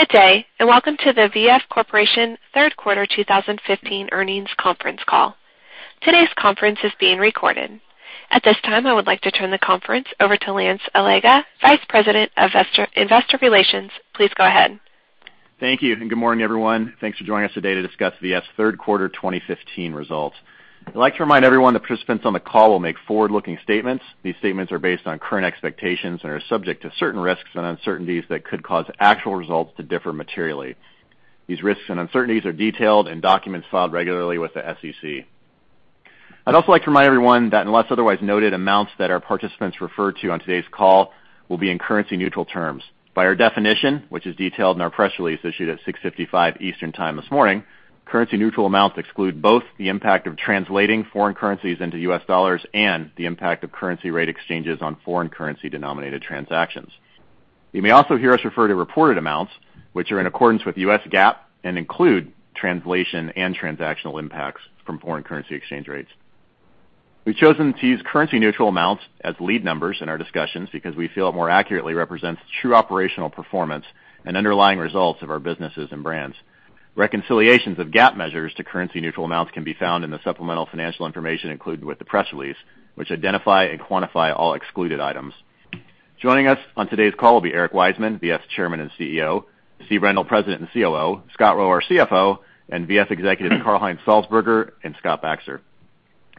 Good day, welcome to the V.F. Corporation third quarter 2015 earnings conference call. Today's conference is being recorded. At this time, I would like to turn the conference over to Lance Allega, Vice President of Investor Relations. Please go ahead. Thank you, good morning, everyone. Thanks for joining us today to discuss V.F.'s third quarter 2015 results. I'd like to remind everyone that participants on the call will make forward-looking statements. These statements are based on current expectations and are subject to certain risks and uncertainties that could cause actual results to differ materially. These risks and uncertainties are detailed in documents filed regularly with the SEC. I'd also like to remind everyone that unless otherwise noted, amounts that our participants refer to on today's call will be in currency neutral terms. By our definition, which is detailed in our press release issued at 6:55 A.M. Eastern Time this morning, currency neutral amounts exclude both the impact of translating foreign currencies into U.S. dollars and the impact of currency rate exchanges on foreign currency denominated transactions. You may also hear us refer to reported amounts, which are in accordance with U.S. GAAP and include translation and transactional impacts from foreign currency exchange rates. We've chosen to use currency neutral amounts as lead numbers in our discussions because we feel it more accurately represents true operational performance and underlying results of our businesses and brands. Reconciliations of GAAP measures to currency neutral amounts can be found in the supplemental financial information included with the press release, which identify and quantify all excluded items. Joining us on today's call will be Eric Wiseman, V.F.'s Chairman and CEO, Steve Rendle, President and COO, Scott Roe, our CFO, V.F. Executive Karl-Heinz Salzburger, and Scott Baxter.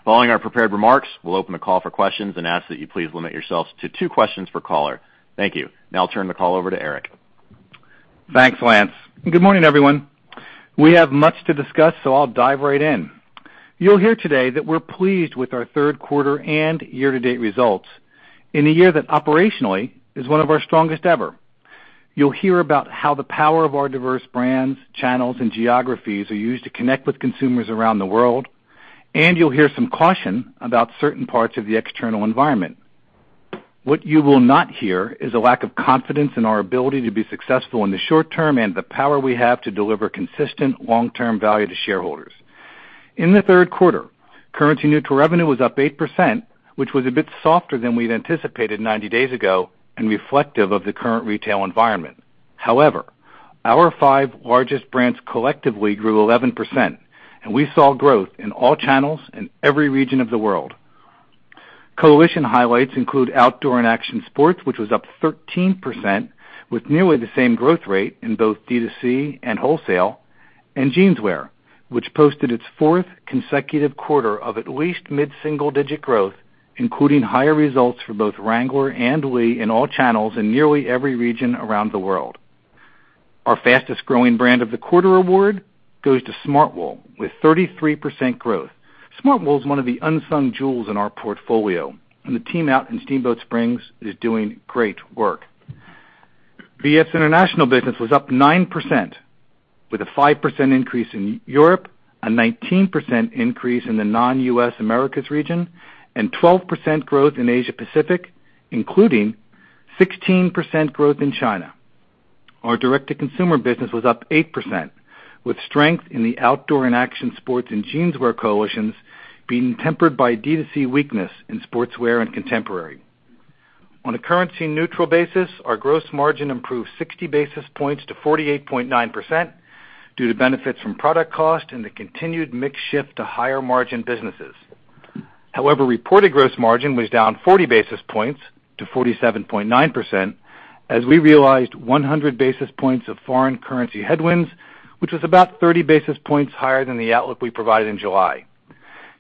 Following our prepared remarks, we'll open the call for questions and ask that you please limit yourselves to two questions per caller. Thank you. I'll turn the call over to Eric. Thanks, Lance. Good morning, everyone. We have much to discuss, I'll dive right in. You'll hear today that we're pleased with our third quarter and year-to-date results in a year that operationally is one of our strongest ever. You'll hear about how the power of our diverse brands, channels, and geographies are used to connect with consumers around the world, you'll hear some caution about certain parts of the external environment. What you will not hear is a lack of confidence in our ability to be successful in the short term and the power we have to deliver consistent long-term value to shareholders. In the third quarter, currency neutral revenue was up 8%, which was a bit softer than we'd anticipated 90 days ago and reflective of the current retail environment. Our five largest brands collectively grew 11%, and we saw growth in all channels in every region of the world. Coalition highlights include outdoor and action sports, which was up 13% with nearly the same growth rate in both D2C and wholesale, and Jeanswear, which posted its fourth consecutive quarter of at least mid-single-digit growth, including higher results for both Wrangler and Lee in all channels in nearly every region around the world. Our fastest-growing brand of the quarter award goes to Smartwool with 33% growth. Smartwool is one of the unsung jewels in our portfolio, and the team out in Steamboat Springs is doing great work. V.F.'s international business was up 9%, with a 5% increase in Europe, a 19% increase in the non-U.S. Americas region, and 12% growth in Asia-Pacific, including 16% growth in China. Our direct-to-consumer business was up 8%, with strength in the outdoor and action sports and Jeanswear coalitions being tempered by D2C weakness in sportswear and contemporary. On a currency neutral basis, our gross margin improved 60 basis points to 48.9% due to benefits from product cost and the continued mix shift to higher-margin businesses. Reported gross margin was down 40 basis points to 47.9% as we realized 100 basis points of foreign currency headwinds, which was about 30 basis points higher than the outlook we provided in July.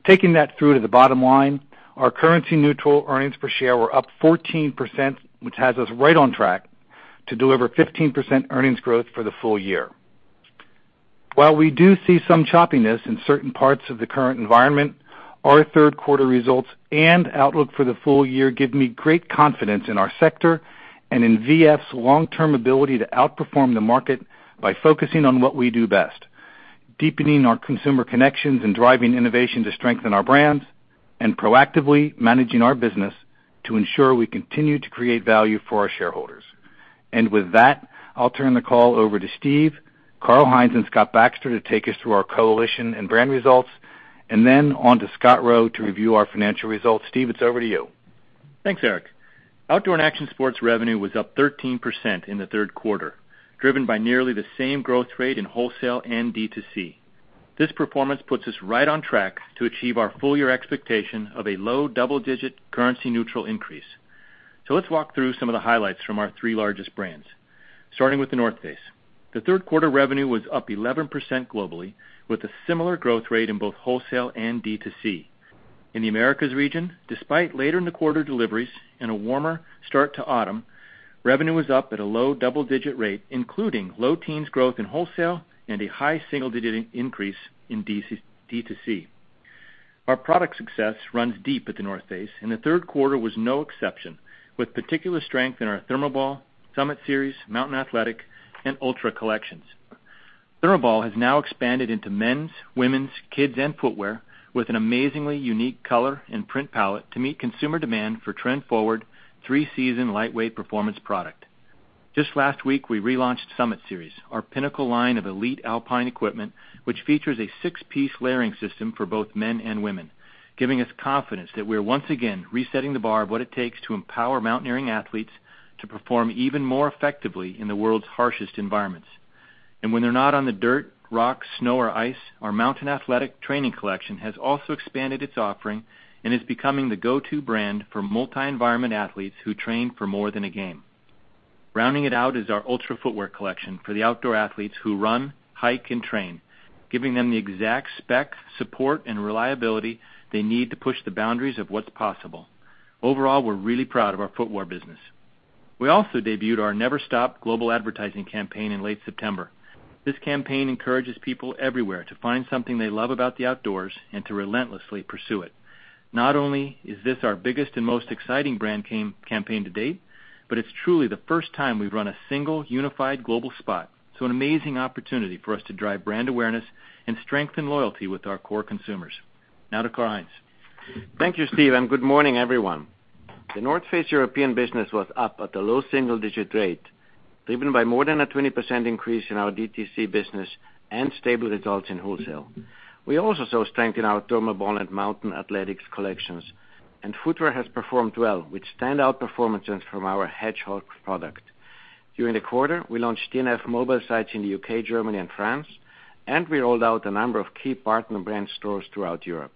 Taking that through to the bottom line, our currency neutral earnings per share were up 14%, which has us right on track to deliver 15% earnings growth for the full year. While we do see some choppiness in certain parts of the current environment, our third-quarter results and outlook for the full year give me great confidence in our sector and in V.F.'s long-term ability to outperform the market by focusing on what we do best, deepening our consumer connections and driving innovation to strengthen our brands, proactively managing our business to ensure we continue to create value for our shareholders. With that, I'll turn the call over to Steve, Karl-Heinz, and Scott Baxter to take us through our coalition and brand results, and then on to Scott Roe to review our financial results. Steve, it's over to you. Thanks, Eric. Outdoor and action sports revenue was up 13% in the third quarter, driven by nearly the same growth rate in wholesale and D2C. This performance puts us right on track to achieve our full-year expectation of a low double-digit currency neutral increase. Let's walk through some of the highlights from our three largest brands. Starting with The North Face. The third quarter revenue was up 11% globally, with a similar growth rate in both wholesale and D2C. In the Americas region, despite later in the quarter deliveries and a warmer start to autumn, revenue was up at a low double-digit rate, including low teens growth in wholesale and a high single-digit increase in D2C. Our product success runs deep at The North Face, and the third quarter was no exception, with particular strength in our Thermoball, Summit Series, Mountain Athletics, and Ultra collections. Thermoball has now expanded into men's, women's, kids, and footwear with an amazingly unique color and print palette to meet consumer demand for trend-forward, three-season lightweight performance product. Just last week, we relaunched Summit Series, our pinnacle line of elite alpine equipment, which features a six-piece layering system for both men and women, giving us confidence that we are once again resetting the bar of what it takes to empower mountaineering athletes to perform even more effectively in the world's harshest environments. When they're not on the dirt, rock, snow, or ice, our Mountain Athletics training collection has also expanded its offering and is becoming the go-to brand for multi-environment athletes who train for more than a game. Rounding it out is our Ultra footwear collection for the outdoor athletes who run, hike, and train, giving them the exact spec, support, and reliability they need to push the boundaries of what's possible. Overall, we're really proud of our footwear business. We also debuted our Never Stop global advertising campaign in late September. This campaign encourages people everywhere to find something they love about the outdoors and to relentlessly pursue it. Not only is this our biggest and most exciting brand campaign to date, but it's truly the first time we've run a single, unified global spot, an amazing opportunity for us to drive brand awareness and strengthen loyalty with our core consumers. Now to Karl-Heinz. Thank you, Steve, and good morning, everyone. The North Face European business was up at a low single-digit rate, driven by more than a 20% increase in our D2C business and stable results in wholesale. We also saw strength in our Thermoball and Mountain Athletics collections, and footwear has performed well with standout performances from our Hedgehog product. During the quarter, we launched TNF mobile sites in the U.K., Germany, and France, we rolled out a number of key partner brand stores throughout Europe.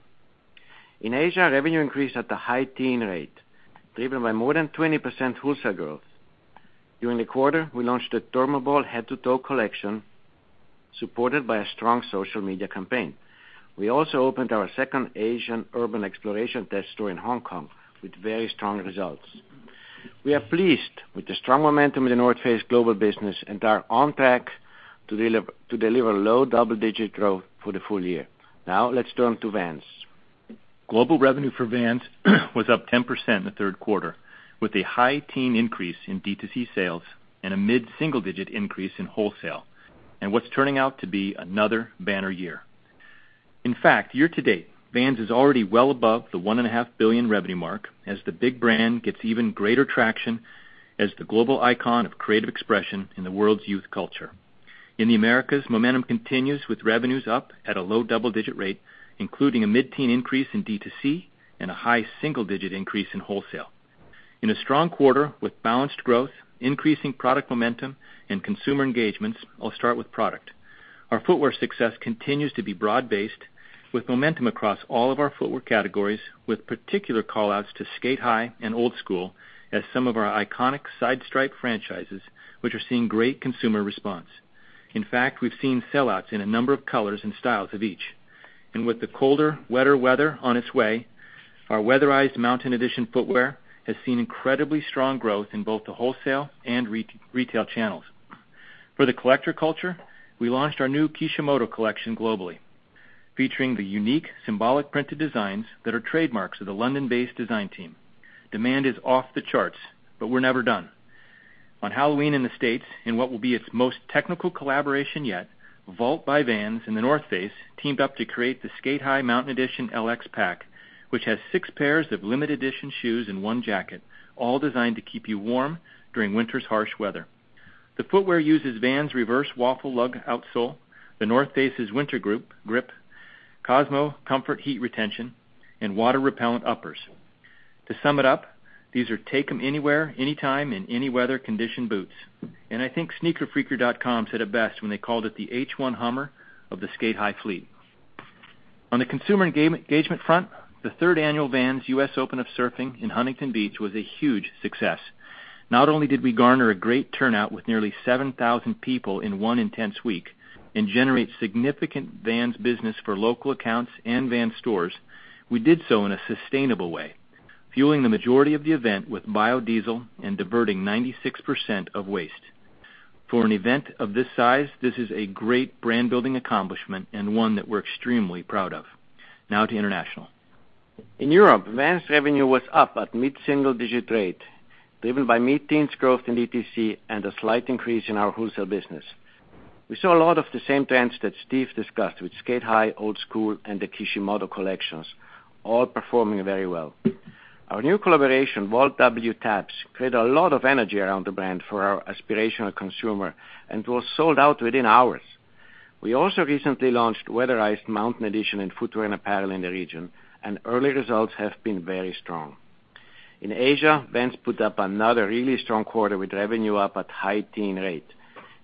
In Asia, revenue increased at a high teen rate, driven by more than 20% wholesale growth. During the quarter, we launched the Thermoball Head to Toe collection, supported by a strong social media campaign. We also opened our second Asian urban exploration test store in Hong Kong with very strong results. We are pleased with the strong momentum in The North Face global business and are on track to deliver low double-digit growth for the full year. Now let's turn to Vans. Global revenue for Vans was up 10% in the third quarter, with a high-teen increase in DTC sales and a mid-single-digit increase in wholesale, and what's turning out to be another banner year. In fact, year to date, Vans is already well above the one and a half billion revenue mark as the big brand gets even greater traction as the global icon of creative expression in the world's youth culture. In the Americas, momentum continues with revenues up at a low double-digit rate, including a mid-teen increase in DTC and a high-single-digit increase in wholesale. In a strong quarter with balanced growth, increasing product momentum, and consumer engagements, I'll start with product. Our footwear success continues to be broad-based, with momentum across all of our footwear categories, with particular call-outs to Sk8-Hi and Old Skool as some of our iconic side stripe franchises, which are seeing great consumer response. In fact, we've seen sell-outs in a number of colors and styles of each. With the colder, wetter weather on its way, our weatherized Mountain Edition footwear has seen incredibly strong growth in both the wholesale and retail channels. For the collector culture, we launched our new Kishimoto collection globally, featuring the unique, symbolic printed designs that are trademarks of the London-based design team. Demand is off the charts, but we're never done. On Halloween in the U.S., in what will be its most technical collaboration yet, Vault by Vans and The North Face teamed up to create the Sk8-Hi Mountain Edition LX Pack, which has 6 pairs of limited edition shoes and 1 jacket, all designed to keep you warm during winter's harsh weather. The footwear uses Vans' reverse waffle lug outsole, The North Face's Winter Grip, Cosmo Comfort heat retention, and water repellent uppers. To sum it up, these are take them anywhere, anytime, in any weather condition boots. I think sneakerfreaker.com said it best when they called it the H1 Hummer of the Sk8-Hi fleet. On the consumer engagement front, the third annual Vans US Open of Surfing in Huntington Beach was a huge success. Not only did we garner a great turnout with nearly 7,000 people in one intense week and generate significant Vans business for local accounts and Vans stores, we did so in a sustainable way, fueling the majority of the event with biodiesel and diverting 96% of waste. For an event of this size, this is a great brand-building accomplishment and one that we're extremely proud of. Now to international. In Europe, Vans revenue was up at mid-single-digit rate, driven by mid-teens growth in DTC and a slight increase in our wholesale business. We saw a lot of the same trends that Steve discussed with Sk8-Hi, Old Skool, and the Kishimoto collections, all performing very well. Our new collaboration, Vault by Vans x Taka Hayashi, created a lot of energy around the brand for our aspirational consumer and was sold out within hours. We also recently launched weatherized Mountain Edition in footwear and apparel in the region, and early results have been very strong. In Asia, Vans put up another really strong quarter with revenue up at high-teen rate,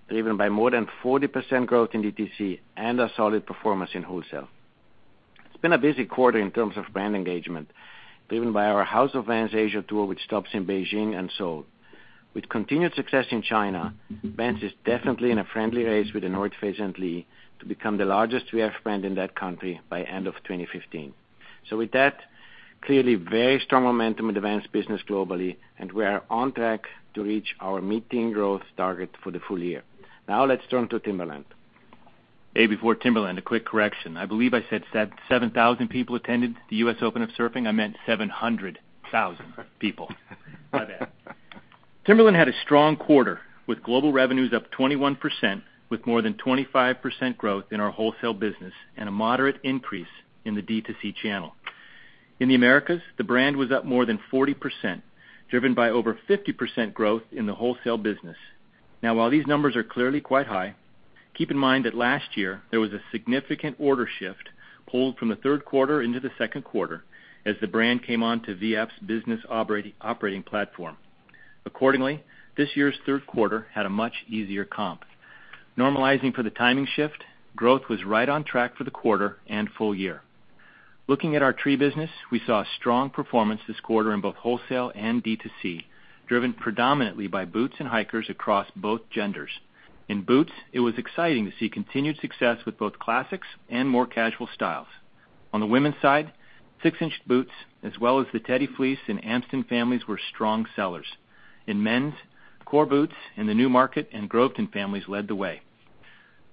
driven by more than 40% growth in DTC and a solid performance in wholesale. It's been a busy quarter in terms of brand engagement, driven by our House of Vans Asia tour, which stops in Beijing and Seoul. With continued success in China, Vans is definitely in a friendly race with The North Face and Lee to become the largest V.F. brand in that country by end of 2015. With that, clearly very strong momentum in the Vans business globally, and we are on track to reach our mid-teen growth target for the full year. Now let's turn to Timberland. Before Timberland, a quick correction. I believe I said 7,000 people attended the Vans US Open of Surfing. I meant 700,000 people. My bad. Timberland had a strong quarter, with global revenues up 21%, with more than 25% growth in our wholesale business and a moderate increase in the DTC channel. In the Americas, the brand was up more than 40%, driven by over 50% growth in the wholesale business. While these numbers are clearly quite high, keep in mind that last year there was a significant order shift Pulled from the third quarter into the second quarter as the brand came on to V.F.'s business operating platform. Accordingly, this year's third quarter had a much easier comp. Normalizing for the timing shift, growth was right on track for the quarter and full year. Looking at our tree business, we saw strong performance this quarter in both wholesale and D2C, driven predominantly by boots and hikers across both genders. In boots, it was exciting to see continued success with both classics and more casual styles. On the women's side, 6-inch boots, as well as the Teddy Fleece and Amston families were strong sellers. In men's, core boots in the Newmarket and Groveton families led the way.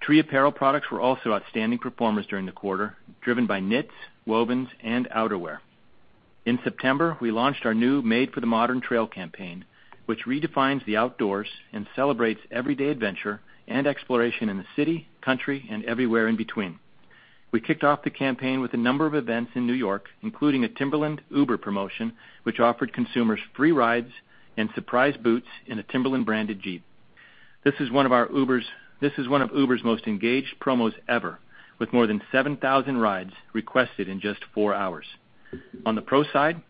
Tree apparel products were also outstanding performers during the quarter, driven by knits, wovens, and outerwear. In September, we launched our new Made for the Modern Trail campaign, which redefines the outdoors and celebrates everyday adventure and exploration in the city, country, and everywhere in between. We kicked off the campaign with a number of events in New York, including a Timberland Uber promotion, which offered consumers free rides and surprise boots in a Timberland-branded Jeep. This is one of Uber's most engaged promos ever, with more than 7,000 rides requested in just four hours. On the pro side,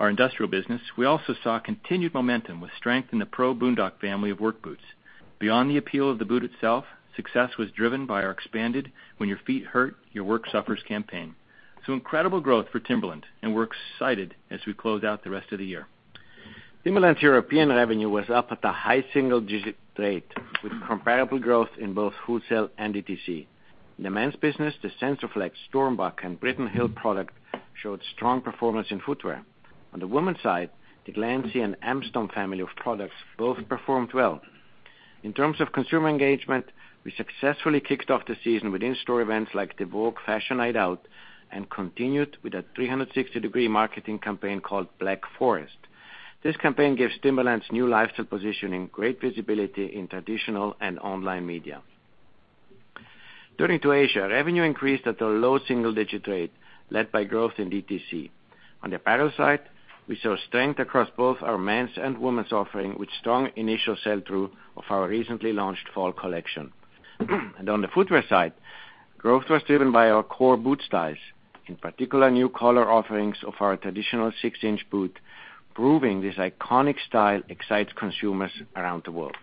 our industrial business, we also saw continued momentum with strength in the PRO Boondock family of work boots. Beyond the appeal of the boot itself, success was driven by our expanded "When your feet hurt, your work suffers" campaign. Incredible growth for Timberland, and we're excited as we close out the rest of the year. Timberland's European revenue was up at a high single-digit rate, with comparable growth in both wholesale and DTC. In the men's business, the SensorFlex Stormbuck and Britton Hill product showed strong performance in footwear. On the women's side, the Glancy and Amston family of products both performed well. In terms of consumer engagement, we successfully kicked off the season with in-store events like the Vogue Fashion's Night Out and continued with a 360-degree marketing campaign called Black Forest. This campaign gives Timberland's new lifestyle positioning great visibility in traditional and online media. Turning to Asia, revenue increased at a low single-digit rate, led by growth in DTC. On the apparel side, we saw strength across both our men's and women's offering, with strong initial sell-through of our recently launched fall collection. On the footwear side, growth was driven by our core boot styles, in particular, new color offerings of our traditional six-inch boot, proving this iconic style excites consumers around the world.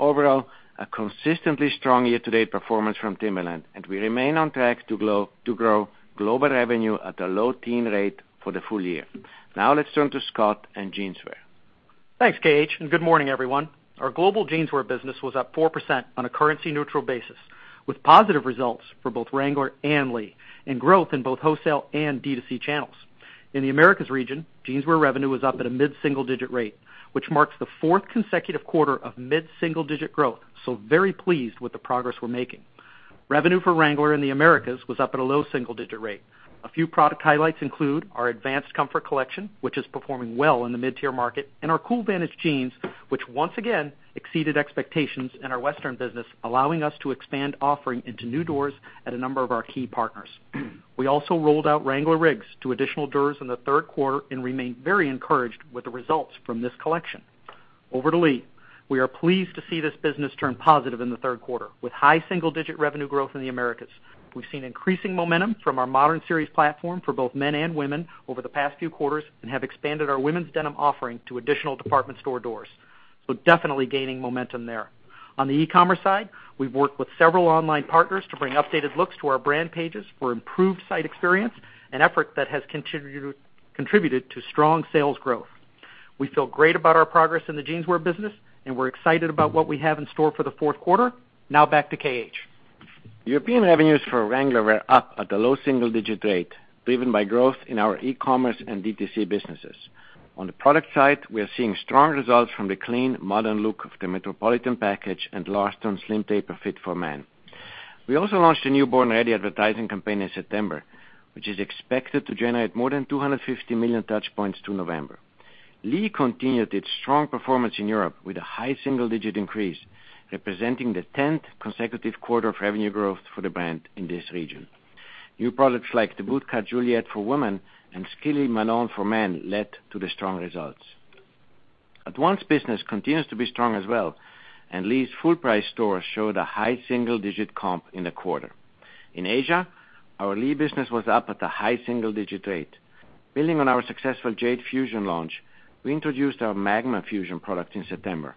Overall, a consistently strong year-to-date performance from Timberland, and we remain on track to grow global revenue at a low teen rate for the full year. Now let's turn to Scott and Jeanswear. Thanks, KH, and good morning, everyone. Our global jeanswear business was up 4% on a currency-neutral basis, with positive results for both Wrangler and Lee, and growth in both wholesale and D2C channels. In the Americas region, jeanswear revenue was up at a mid-single-digit rate, which marks the fourth consecutive quarter of mid-single-digit growth, so very pleased with the progress we're making. Revenue for Wrangler in the Americas was up at a low single-digit rate. A few product highlights include our Advanced Comfort collection, which is performing well in the mid-tier market, and our Cool Vantage jeans, which once again exceeded expectations in our western business, allowing us to expand offering into new doors at a number of our key partners. We also rolled out Wrangler RIGGS to additional doors in the third quarter and remain very encouraged with the results from this collection. Over to Lee. We are pleased to see this business turn positive in the third quarter, with high single-digit revenue growth in the Americas. We've seen increasing momentum from our Modern Series platform for both men and women over the past few quarters and have expanded our women's denim offering to additional department store doors, definitely gaining momentum there. On the e-commerce side, we've worked with several online partners to bring updated looks to our brand pages for improved site experience, an effort that has contributed to strong sales growth. We feel great about our progress in the Jeanswear business, and we're excited about what we have in store for the fourth quarter. Now back to K.H. European revenues for Wrangler were up at a low single-digit rate, driven by growth in our e-commerce and D2C businesses. On the product side, we are seeing strong results from the clean, modern look of the Metropolitan package and Larston slim taper fit for men. We also launched a new Born Ready advertising campaign in September, which is expected to generate more than 250 million touch points through November. Lee continued its strong performance in Europe with a high single-digit increase, representing the tenth consecutive quarter of revenue growth for the brand in this region. New products like the Bootcut Juliet for women and Skilly Malone for men led to the strong results. Advanced business continues to be strong as well, and Lee's full-price stores showed a high single-digit comp in the quarter. In Asia, our Lee business was up at a high single-digit rate. Building on our successful Jade Fusion launch, we introduced our Magma Fusion product in September.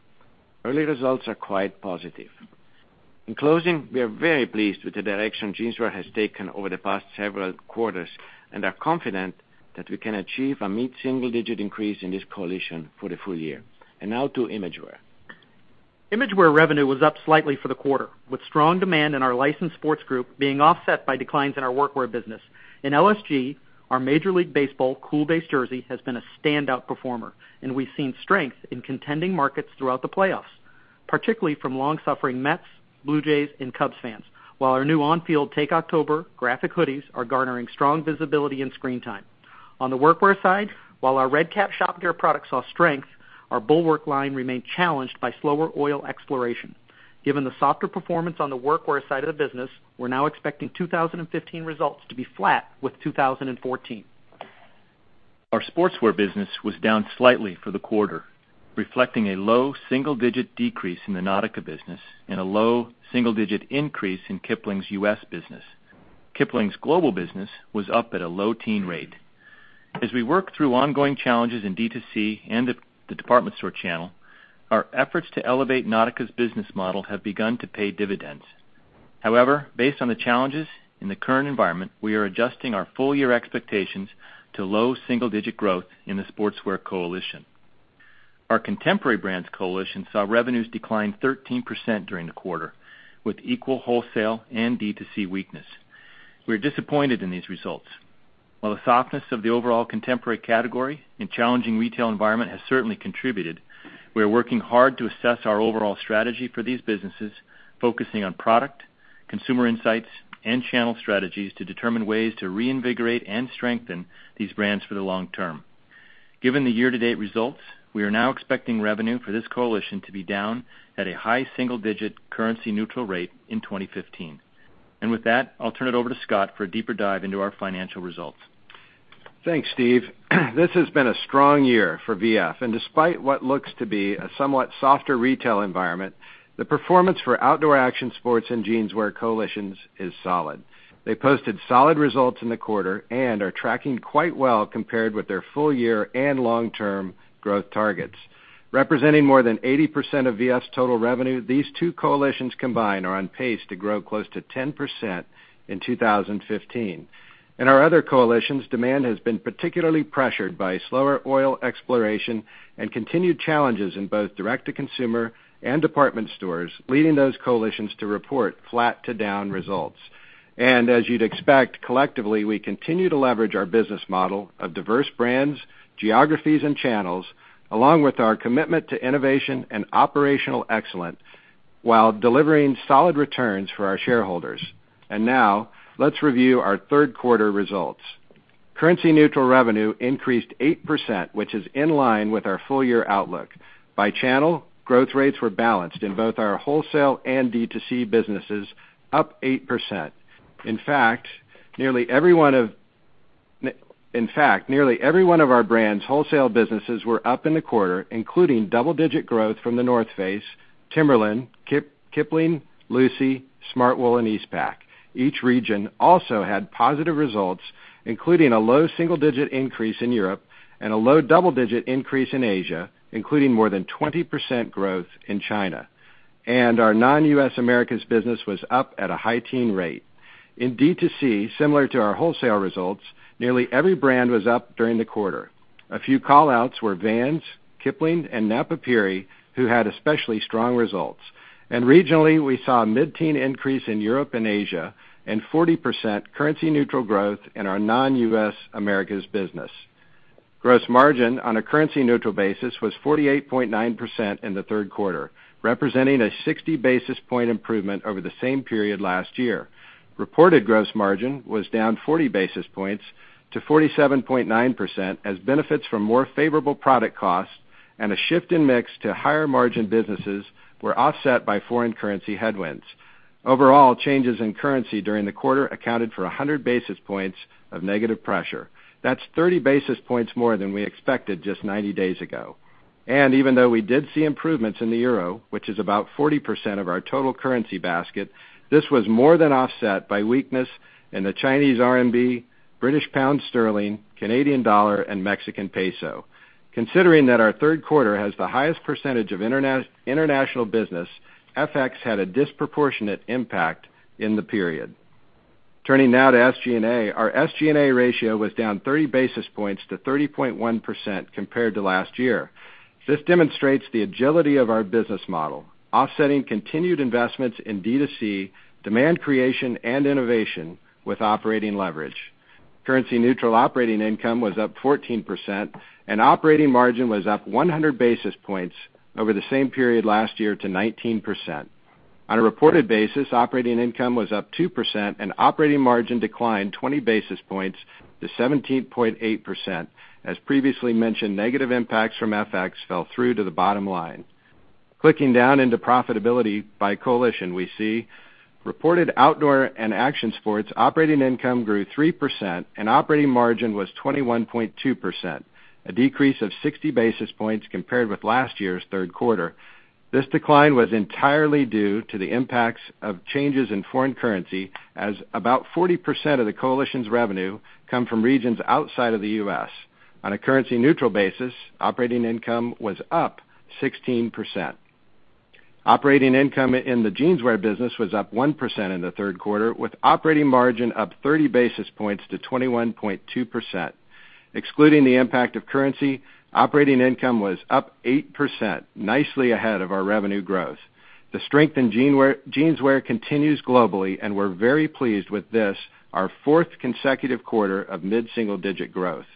Early results are quite positive. In closing, we are very pleased with the direction Jeanswear has taken over the past several quarters and are confident that we can achieve a mid-single-digit increase in this coalition for the full year. Now to Imagewear. Imagewear revenue was up slightly for the quarter, with strong demand in our Licensed Sports Group being offset by declines in our workwear business. In LSG, our Major League Baseball Cool Base jersey has been a standout performer, and we've seen strength in contending markets throughout the playoffs, particularly from long-suffering Mets, Blue Jays, and Cubs fans. Our new on-field Take October graphic hoodies are garnering strong visibility and screen time. On the workwear side, while our Red Kap Shop Gear product saw strength, our Bulwark line remained challenged by slower oil exploration. Given the softer performance on the workwear side of the business, we're now expecting 2015 results to be flat with 2014. Our sportswear business was down slightly for the quarter, reflecting a low single-digit decrease in the Nautica business and a low double-digit increase in Kipling's U.S. business. Kipling's global business was up at a low teen rate. As we work through ongoing challenges in D2C and the department store channel, our efforts to elevate Nautica's business model have begun to pay dividends. However, based on the challenges in the current environment, we are adjusting our full-year expectations to low single-digit growth in the sportswear coalition. Our Contemporary Brands Coalition saw revenues decline 13% during the quarter, with equal wholesale and D2C weakness. We are disappointed in these results. While the softness of the overall contemporary category and challenging retail environment has certainly contributed, we are working hard to assess our overall strategy for these businesses, focusing on product, consumer insights, and channel strategies to determine ways to reinvigorate and strengthen these brands for the long term. Given the year-to-date results, we are now expecting revenue for this coalition to be down at a high single-digit currency-neutral rate in 2015. With that, I'll turn it over to Scott for a deeper dive into our financial results. Thanks, Steve. This has been a strong year for V.F., despite what looks to be a somewhat softer retail environment, the performance for Outdoor Action Sports and Jeanswear Coalitions is solid. They posted solid results in the quarter and are tracking quite well compared with their full-year and long-term growth targets. Representing more than 80% of V.F.'s total revenue, these two coalitions combined are on pace to grow close to 10% in 2015. In our other coalitions, demand has been particularly pressured by slower oil exploration and continued challenges in both direct-to-consumer and department stores, leading those coalitions to report flat to down results. As you'd expect, collectively, we continue to leverage our business model of diverse brands, geographies, and channels, along with our commitment to innovation and operational excellence, while delivering solid returns for our shareholders. Now let's review our third-quarter results. Currency-neutral revenue increased 8%, which is in line with our full-year outlook. By channel, growth rates were balanced in both our wholesale and D2C businesses, up 8%. In fact, nearly every one of our brands' wholesale businesses were up in the quarter, including double-digit growth from The North Face, Timberland, Kipling, Lucy, Smartwool, and Eastpak. Each region also had positive results, including a low single-digit increase in Europe and a low double-digit increase in Asia, including more than 20% growth in China. Our non-U.S. Americas business was up at a high teen rate. In D2C, similar to our wholesale results, nearly every brand was up during the quarter. A few call-outs were Vans, Kipling, and Napapijri, who had especially strong results. Regionally, we saw a mid-teen increase in Europe and Asia and 40% currency-neutral growth in our non-U.S. Americas business. Gross margin on a currency-neutral basis was 48.9% in the third quarter, representing a 60-basis-point improvement over the same period last year. Reported gross margin was down 40 basis points to 47.9% as benefits from more favorable product costs and a shift in mix to higher-margin businesses were offset by foreign currency headwinds. Overall, changes in currency during the quarter accounted for 100 basis points of negative pressure. That's 30 basis points more than we expected just 90 days ago. Even though we did see improvements in the EUR, which is about 40% of our total currency basket, this was more than offset by weakness in the Chinese RMB, British pound sterling, Canadian dollar, and Mexican peso. Considering that our third quarter has the highest percentage of international business, FX had a disproportionate impact in the period. Turning now to SG&A. Our SG&A ratio was down 30 basis points to 30.1% compared to last year. This demonstrates the agility of our business model, offsetting continued investments in D2C, demand creation, and innovation with operating leverage. Currency-neutral operating income was up 14%, and operating margin was up 100 basis points over the same period last year to 19%. On a reported basis, operating income was up 2%, and operating margin declined 20 basis points to 17.8%. As previously mentioned, negative impacts from FX fell through to the bottom line. Clicking down into profitability by coalition, we see reported outdoor and action sports operating income grew 3%, and operating margin was 21.2%, a decrease of 60 basis points compared with last year's third quarter. This decline was entirely due to the impacts of changes in foreign currency, as about 40% of the coalition's revenue come from regions outside of the U.S. On a currency-neutral basis, operating income was up 16%. Operating income in the jeanswear business was up 1% in the third quarter, with operating margin up 30 basis points to 21.2%. Excluding the impact of currency, operating income was up 8%, nicely ahead of our revenue growth. The strength in jeanswear continues globally, and we're very pleased with this, our fourth consecutive quarter of mid-single-digit growth.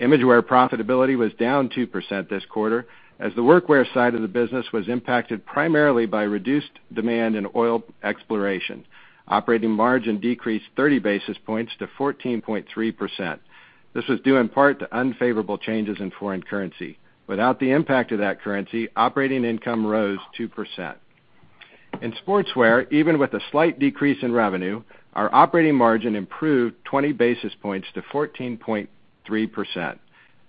Imagewear profitability was down 2% this quarter, as the workwear side of the business was impacted primarily by reduced demand in oil exploration. Operating margin decreased 30 basis points to 14.3%. This was due in part to unfavorable changes in foreign currency. Without the impact of that currency, operating income rose 2%. In sportswear, even with a slight decrease in revenue, our operating margin improved 20 basis points to 14.3%.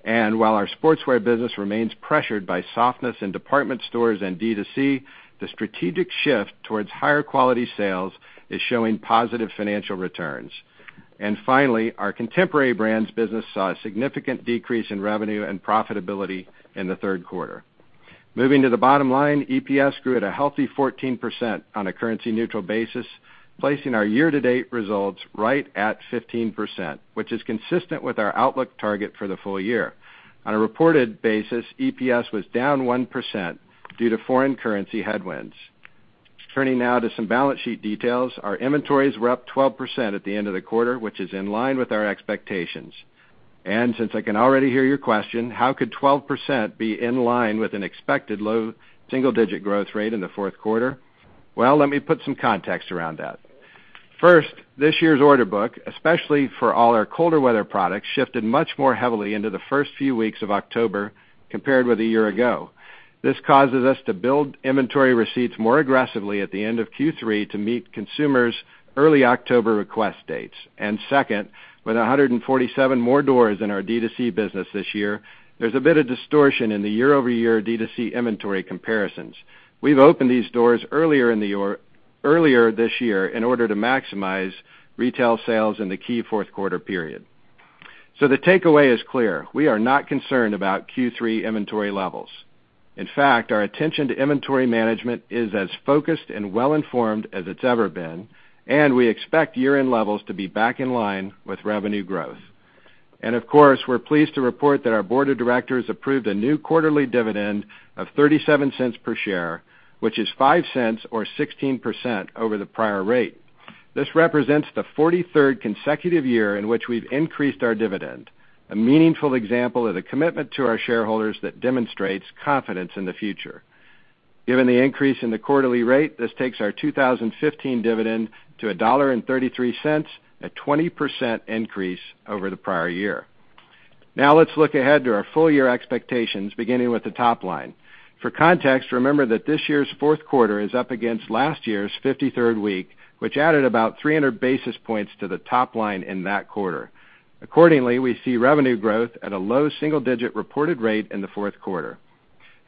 While our sportswear business remains pressured by softness in department stores and D2C, the strategic shift towards higher quality sales is showing positive financial returns. Finally, our Contemporary Brands Coalition saw a significant decrease in revenue and profitability in the third quarter. Moving to the bottom line, EPS grew at a healthy 14% on a currency-neutral basis, placing our year-to-date results right at 15%, which is consistent with our outlook target for the full year. On a reported basis, EPS was down 1% due to foreign currency headwinds. Turning now to some balance sheet details. Our inventories were up 12% at the end of the quarter, which is in line with our expectations. Since I can already hear your question, how could 12% be in line with an expected low double-digit growth rate in the fourth quarter? Let me put some context around that. First, this year's order book, especially for all our colder weather products, shifted much more heavily into the first few weeks of October compared with a year ago. This causes us to build inventory receipts more aggressively at the end of Q3 to meet consumers' early October request dates. Second, with 147 more doors in our D2C business this year, there's a bit of distortion in the year-over-year D2C inventory comparisons. We've opened these doors earlier this year in order to maximize retail sales in the key fourth quarter period. The takeaway is clear. We are not concerned about Q3 inventory levels. In fact, our attention to inventory management is as focused and well-informed as it's ever been, and we expect year-end levels to be back in line with revenue growth. Of course, we're pleased to report that our board of directors approved a new quarterly dividend of $0.37 per share, which is $0.05 or 16% over the prior rate. This represents the 43rd consecutive year in which we've increased our dividend, a meaningful example of the commitment to our shareholders that demonstrates confidence in the future. Given the increase in the quarterly rate, this takes our 2015 dividend to $1.33, a 20% increase over the prior year. Let's look ahead to our full-year expectations, beginning with the top line. For context, remember that this year's fourth quarter is up against last year's 53rd week, which added about 300 basis points to the top line in that quarter. Accordingly, we see revenue growth at a low single-digit reported rate in the fourth quarter.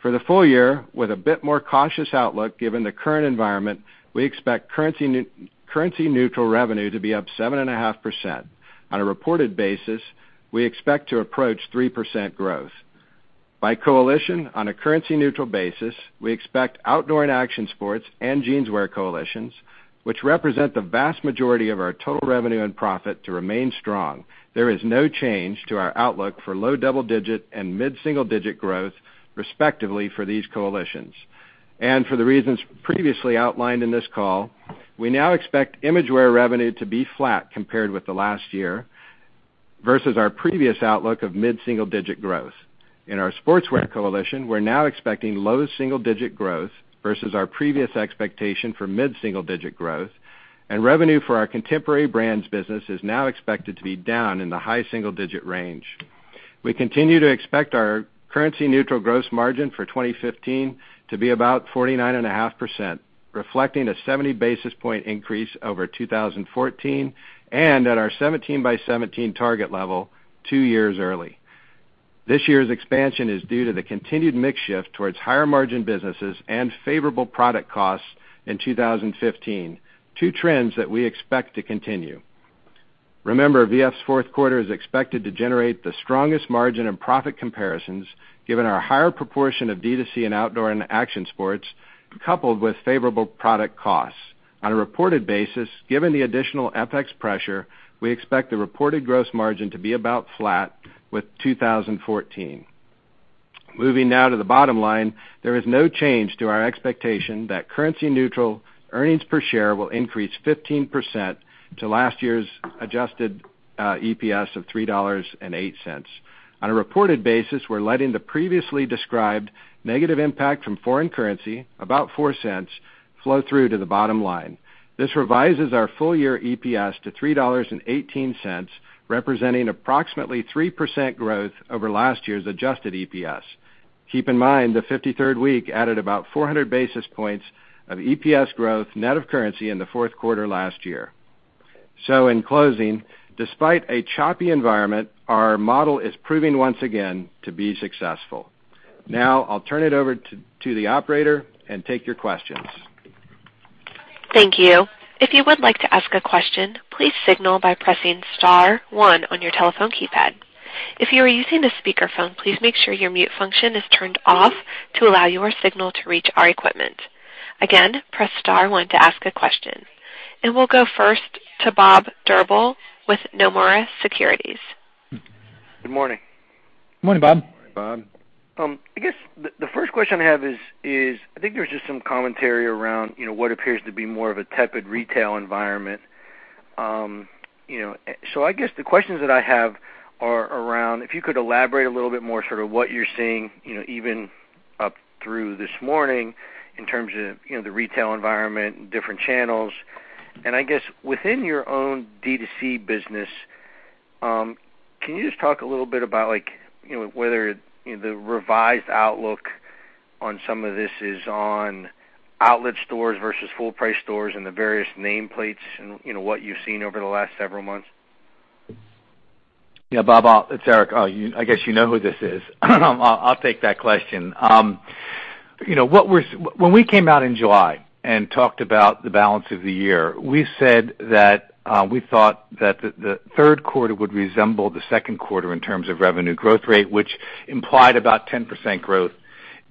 For the full-year, with a bit more cautious outlook given the current environment, we expect currency-neutral revenue to be up 7.5%. On a reported basis, we expect to approach 3% growth. By coalition on a currency-neutral basis, we expect outdoor and action sports and jeanswear coalitions, which represent the vast majority of our total revenue and profit, to remain strong. There is no change to our outlook for low double-digit and mid-single-digit growth, respectively, for these coalitions. For the reasons previously outlined in this call, we now expect Imagewear revenue to be flat compared with the last year, versus our previous outlook of mid-single-digit growth. In our sportswear coalition, we're now expecting low single-digit growth versus our previous expectation for mid-single-digit growth, and revenue for our Contemporary Brands business is now expected to be down in the high single-digit range. We continue to expect our currency-neutral gross margin for 2015 to be about 49.5%, reflecting a 70-basis point increase over 2014 and at our 17 by 17 target level two years early. This year's expansion is due to the continued mix shift towards higher-margin businesses and favorable product costs in 2015, two trends that we expect to continue. Remember, VF's fourth quarter is expected to generate the strongest margin in profit comparisons, given our higher proportion of D2C and outdoor and action sports, coupled with favorable product costs. On a reported basis, given the additional FX pressure, we expect the reported gross margin to be about flat with 2014. Moving to the bottom line, there is no change to our expectation that currency-neutral earnings per share will increase 15% to last year's adjusted EPS of $3.08. On a reported basis, we're letting the previously described negative impact from foreign currency, about $0.04, flow through to the bottom line. This revises our full-year EPS to $3.18, representing approximately 3% growth over last year's adjusted EPS. Keep in mind, the 53rd week added about 400 basis points of EPS growth net of currency in the fourth quarter last year. In closing, despite a choppy environment, our model is proving once again to be successful. Now I'll turn it over to the operator and take your questions. Thank you. If you would like to ask a question, please signal by pressing *1 on your telephone keypad. If you are using a speakerphone, please make sure your mute function is turned off to allow your signal to reach our equipment. Again, press *1 to ask a question. We'll go first to Robert Drbul with Nomura Securities. Good morning. Good morning, Bob. Good morning, Bob. I guess the first question I have is, I think there's just some commentary around what appears to be more of a tepid retail environment. I guess the questions that I have are around if you could elaborate a little bit more sort of what you're seeing, even up through this morning, in terms of the retail environment and different channels. I guess within your own D2C business Can you just talk a little bit about whether the revised outlook on some of this is on outlet stores versus full-price stores and the various nameplates and what you've seen over the last several months? Yeah, Bob, it's Eric. I guess you know who this is. I'll take that question. When we came out in July and talked about the balance of the year, we said that we thought that the third quarter would resemble the second quarter in terms of revenue growth rate, which implied about 10% growth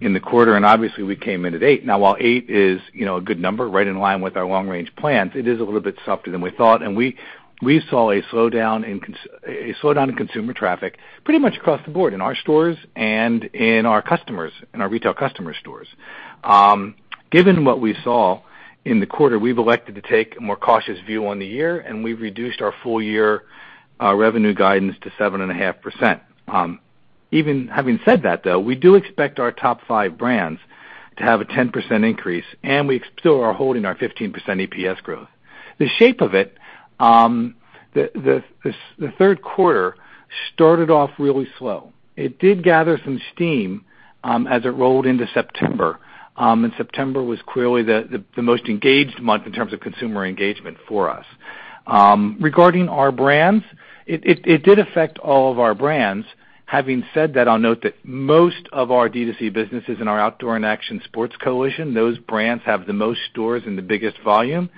in the quarter, and obviously we came in at 8%. Now, while 8% is a good number, right in line with our long-range plans, it is a little bit softer than we thought. We saw a slowdown in consumer traffic pretty much across the board, in our stores and in our retail customer stores. Given what we saw in the quarter, we've elected to take a more cautious view on the year, and we've reduced our full year revenue guidance to 7.5%. Having said that, though, we do expect our top five brands to have a 10% increase, and we still are holding our 15% EPS growth. The shape of it, the third quarter started off really slow. It did gather some steam as it rolled into September was clearly the most engaged month in terms of consumer engagement for us. Regarding our brands, it did affect all of our brands. Having said that, I'll note that most of our D2C businesses and our outdoor and action sports coalition, those brands have the most stores and the biggest volume.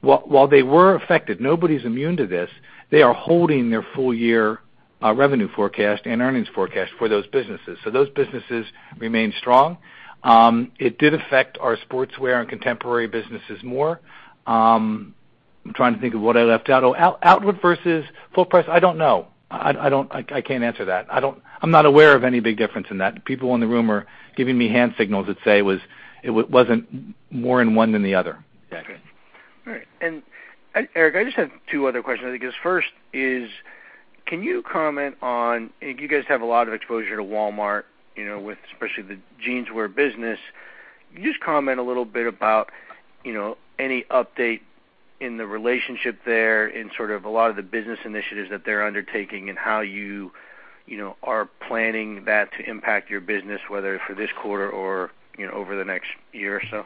While they were affected, nobody's immune to this. They are holding their full year revenue forecast and earnings forecast for those businesses. Those businesses remain strong. It did affect our sportswear and contemporary businesses more. I'm trying to think of what I left out. Outlet versus full price, I don't know. I can't answer that. I'm not aware of any big difference in that. People in the room are giving me hand signals that say it wasn't more in one than the other. Okay. All right. Eric, I just have two other questions, I guess. First is, you guys have a lot of exposure to Walmart, with especially the Jeanswear business. Can you just comment a little bit about any update in the relationship there in sort of a lot of the business initiatives that they're undertaking and how you are planning that to impact your business, whether for this quarter or over the next year or so?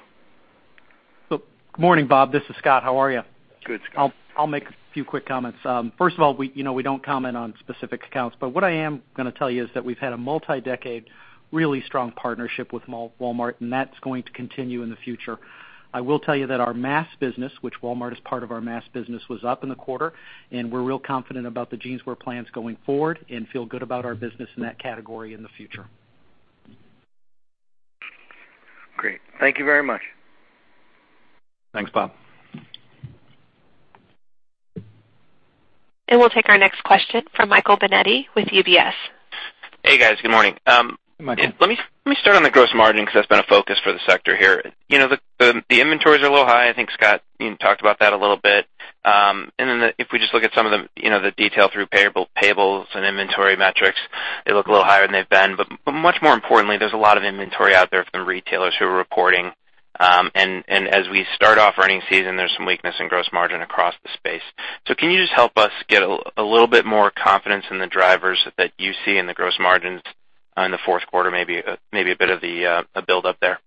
Good morning, Bob. This is Scott. How are you? Good, Scott. I'll make a few quick comments. First of all, we don't comment on specific accounts, but what I am going to tell you is that we've had a multi-decade, really strong partnership with Walmart, and that's going to continue in the future. I will tell you that our mass business, which Walmart is part of our mass business, was up in the quarter, and we're real confident about the Jeanswear plans going forward and feel good about our business in that category in the future. Great. Thank you very much. Thanks, Bob. We'll take our next question from Michael Binetti with UBS. Hey, guys. Good morning. Good morning. Let me start on the gross margin, because that's been a focus for the sector here. The inventories are a little high. I think, Scott, you talked about that a little bit. Then if we just look at some of the detail through payables and inventory metrics, they look a little higher than they've been. Much more importantly, there's a lot of inventory out there from retailers who are reporting. As we start off earnings season, there's some weakness in gross margin across the space. Can you just help us get a little bit more confidence in the drivers that you see in the gross margins in the fourth quarter, maybe a bit of the build up there?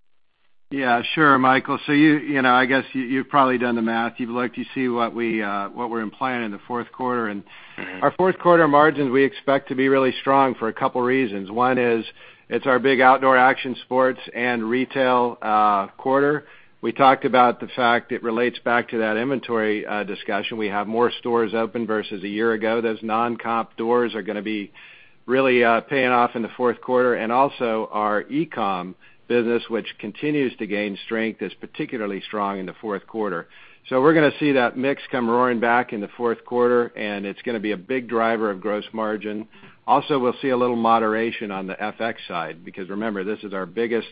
Yeah, sure, Michael. I guess you've probably done the math. You've looked to see what we're implying in the fourth quarter. Our fourth quarter margins, we expect to be really strong for a couple of reasons. One is it's our big outdoor action sports and retail quarter. We talked about the fact it relates back to that inventory discussion. We have more stores open versus a year ago. Those non-comp doors are going to be really paying off in the fourth quarter. Also our e-com business, which continues to gain strength, is particularly strong in the fourth quarter. We're going to see that mix come roaring back in the fourth quarter, and it's going to be a big driver of gross margin. Also, we'll see a little moderation on the FX side, because remember, this is our biggest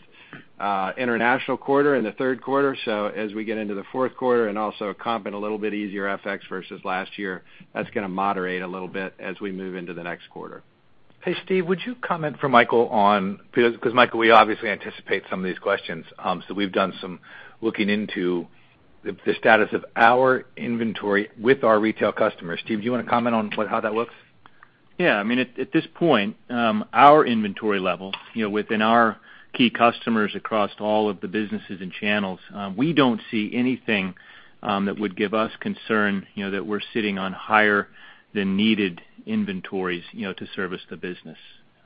international quarter in the third quarter. As we get into the fourth quarter and also comp and a little bit easier FX versus last year, that's going to moderate a little bit as we move into the next quarter. Hey, Steve, would you comment for Michael? Because, Michael, we obviously anticipate some of these questions. We've done some looking into the status of our inventory with our retail customers. Steve, do you want to comment on how that looks? Yeah. At this point, our inventory level within our key customers across all of the businesses and channels, we don't see anything that would give us concern that we're sitting on higher than needed inventories to service the business.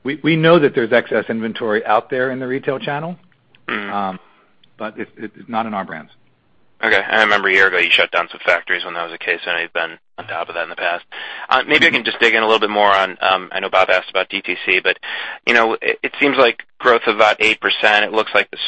We know that there's excess inventory out there in the retail channel, but it's not in our brands. Okay. I remember a year ago, you shut down some factories when that was the case, and I know you've been on top of that in the past. Maybe I can just dig in a little bit more on, I know Bob asked about DTC, but it seems like growth of about 8%, it looks like the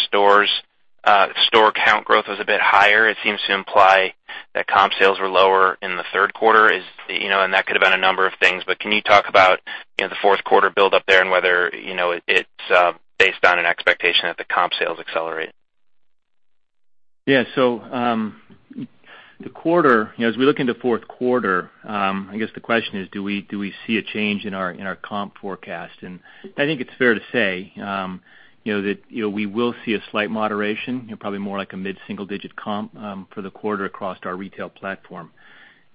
store count growth was a bit higher. It seems to imply that comp sales were lower in the third quarter. That could have been a number of things, but can you talk about the fourth quarter build up there and whether it's based on an expectation that the comp sales accelerate? As we look into fourth quarter, I guess the question is, do we see a change in our comp forecast? I think it's fair to say that we will see a slight moderation, probably more like a mid-single digit comp for the quarter across our retail platform.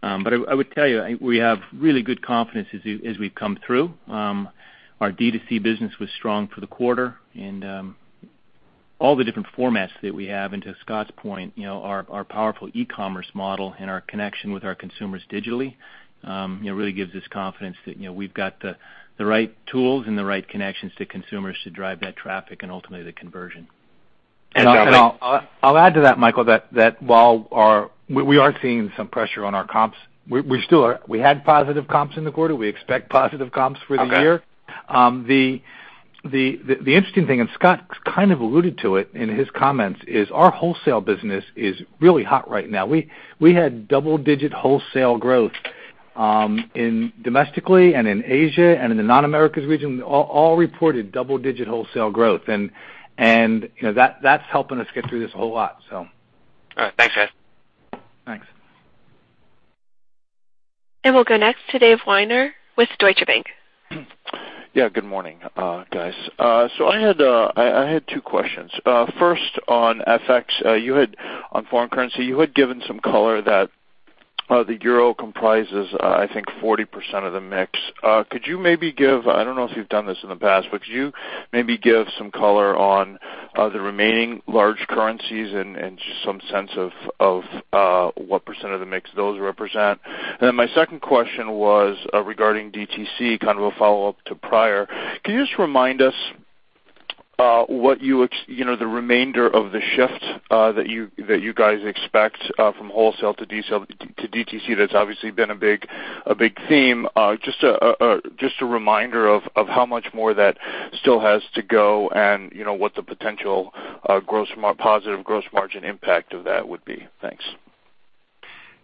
I would tell you, we have really good confidence as we've come through. Our D2C business was strong for the quarter, and all the different formats that we have, and to Scott's point, our powerful e-commerce model and our connection with our consumers digitally really gives us confidence that we've got the right tools and the right connections to consumers to drive that traffic and ultimately the conversion. I'll add to that, Michael, that while we are seeing some pressure on our comps, we had positive comps in the quarter, we expect positive comps for the year. Okay. The interesting thing, Scott kind of alluded to it in his comments, is our wholesale business is really hot right now. We had double-digit wholesale growth domestically and in Asia and in the non-Americas region, all reported double-digit wholesale growth. That's helping us get through this a whole lot. All right. Thanks, guys. Thanks. We'll go next to Dave Weiner with Deutsche Bank. Yeah. Good morning, guys. I had two questions. First on FX, on foreign currency, you had given some color that the euro comprises, I think, 40% of the mix. I don't know if you've done this in the past, but could you maybe give some color on the remaining large currencies and just some sense of what % of the mix those represent? My second question was regarding DTC, kind of a follow-up to prior. Can you just remind us the remainder of the shift that you guys expect from wholesale to DTC? That's obviously been a big theme. Just a reminder of how much more that still has to go and what the potential positive gross margin impact of that would be. Thanks.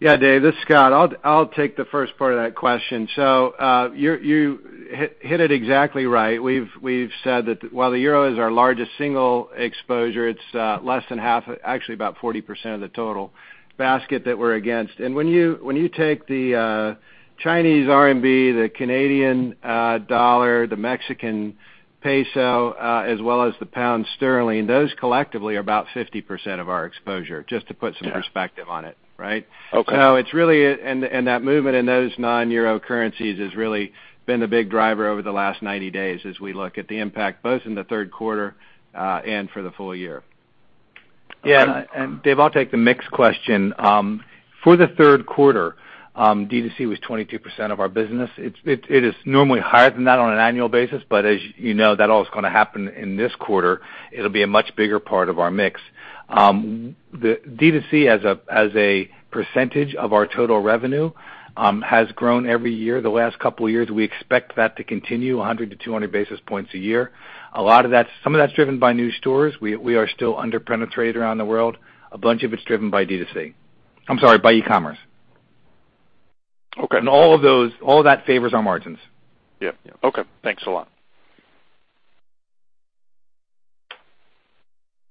Yeah, Dave, this is Scott. I'll take the first part of that question. You hit it exactly right. We've said that while the euro is our largest single exposure, it's less than half, actually about 40% of the total basket that we're against. When you take the Chinese RMB, the Canadian dollar, the Mexican peso, as well as the pound sterling, those collectively are about 50% of our exposure, just to put some perspective on it. Right? Okay. That movement in those non-euro currencies has really been the big driver over the last 90 days as we look at the impact both in the third quarter and for the full year. Dave, I'll take the mix question. For the third quarter, D2C was 22% of our business. It is normally higher than that on an annual basis, but as you know, that all is going to happen in this quarter. It will be a much bigger part of our mix. D2C, as a percentage of our total revenue, has grown every year. The last couple of years, we expect that to continue 100 to 200 basis points a year. Some of that's driven by new stores. We are still under-penetrated around the world. A bunch of it's driven by e-commerce. Okay. All of that favors our margins. Yeah. Okay. Thanks a lot.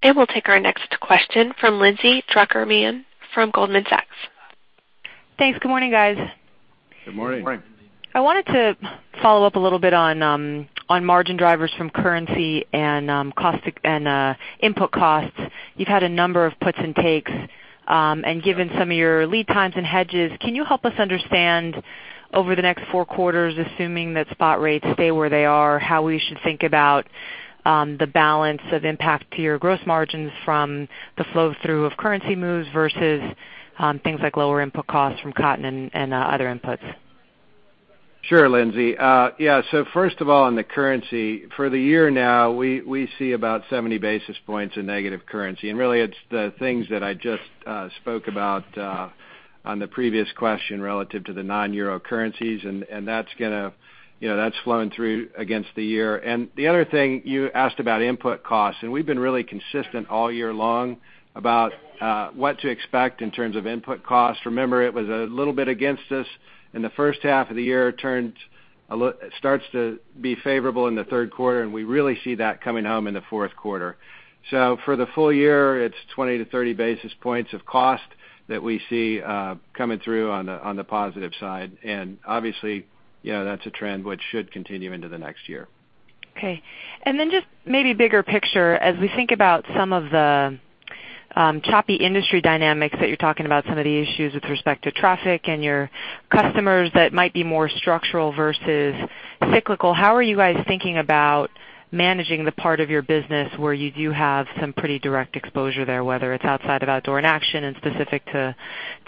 We'll take our next question from Lindsay Drucker Mann from Goldman Sachs. Thanks. Good morning, guys. Good morning. Good morning. I wanted to follow up a little bit on margin drivers from currency and input costs. You've had a number of puts and takes, and given some of your lead times and hedges, can you help us understand over the next four quarters, assuming that spot rates stay where they are, how we should think about the balance of impact to your gross margins from the flow-through of currency moves versus things like lower input costs from cotton and other inputs? Sure, Lindsay. First of all, on the currency, for the year now, we see about 70 basis points in negative currency. Really it's the things that I just spoke about on the previous question relative to the non-euro currencies, and that's flowing through against the year. The other thing, you asked about input costs, and we've been really consistent all year long about what to expect in terms of input costs. Remember, it was a little bit against us in the first half of the year. It starts to be favorable in the third quarter, and we really see that coming home in the fourth quarter. For the full year, it's 20 to 30 basis points of cost that we see coming through on the positive side. Obviously, that's a trend which should continue into the next year. Okay. Then just maybe bigger picture, as we think about some of the choppy industry dynamics that you're talking about, some of the issues with respect to traffic and your customers that might be more structural versus cyclical, how are you guys thinking about managing the part of your business where you do have some pretty direct exposure there, whether it's outside of outdoor and action and specific to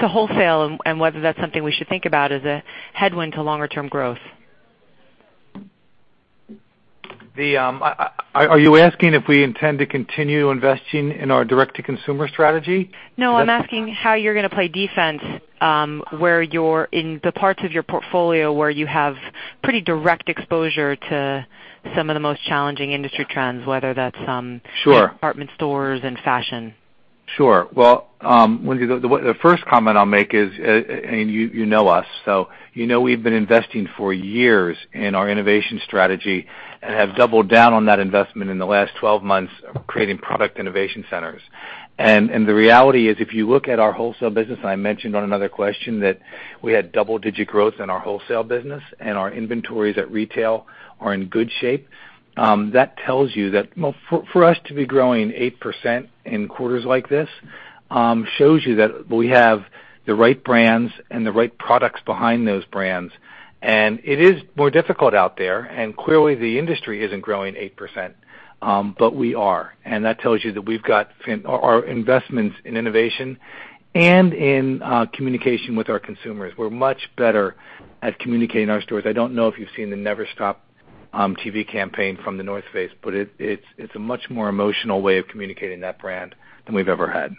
wholesale, and whether that's something we should think about as a headwind to longer-term growth? Are you asking if we intend to continue investing in our direct-to-consumer strategy? No. I'm asking how you're going to play defense in the parts of your portfolio where you have pretty direct exposure to some of the most challenging industry trends, whether that's- Sure department stores and fashion. Sure. Well, Lindsay, the first comment I'll make is, you know us, you know we've been investing for years in our innovation strategy and have doubled down on that investment in the last 12 months, creating product innovation centers. The reality is, if you look at our wholesale business, I mentioned on another question that we had double-digit growth in our wholesale business, and our inventories at retail are in good shape. That tells you that for us to be growing 8% in quarters like this, shows you that we have The right brands and the right products behind those brands. It is more difficult out there, clearly the industry isn't growing 8%, we are. That tells you that we've got our investments in innovation and in communication with our consumers. We're much better at communicating our stories. I don't know if you've seen the Never Stop TV campaign from The North Face, it's a much more emotional way of communicating that brand than we've ever had.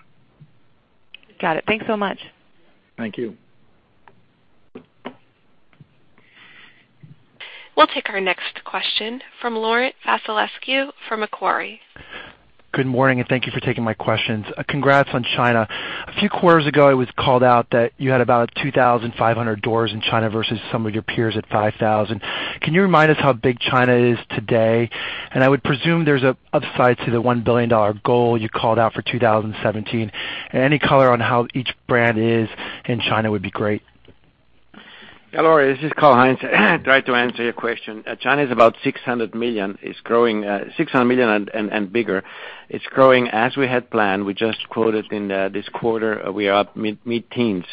Got it. Thanks so much. Thank you. We'll take our next question from Laurent Vasilescu from Macquarie. Good morning, thank you for taking my questions. Congrats on China. A few quarters ago, it was called out that you had about 2,500 doors in China versus some of your peers at 5,000. Can you remind us how big China is today? I would presume there's an upside to the $1 billion goal you called out for 2017. Any color on how each brand is in China would be great. Laurent, this is Karl-Heinz. Try to answer your question. China is about $600 million and bigger. It's growing as we had planned. We just quoted in this quarter, we are up mid-teens.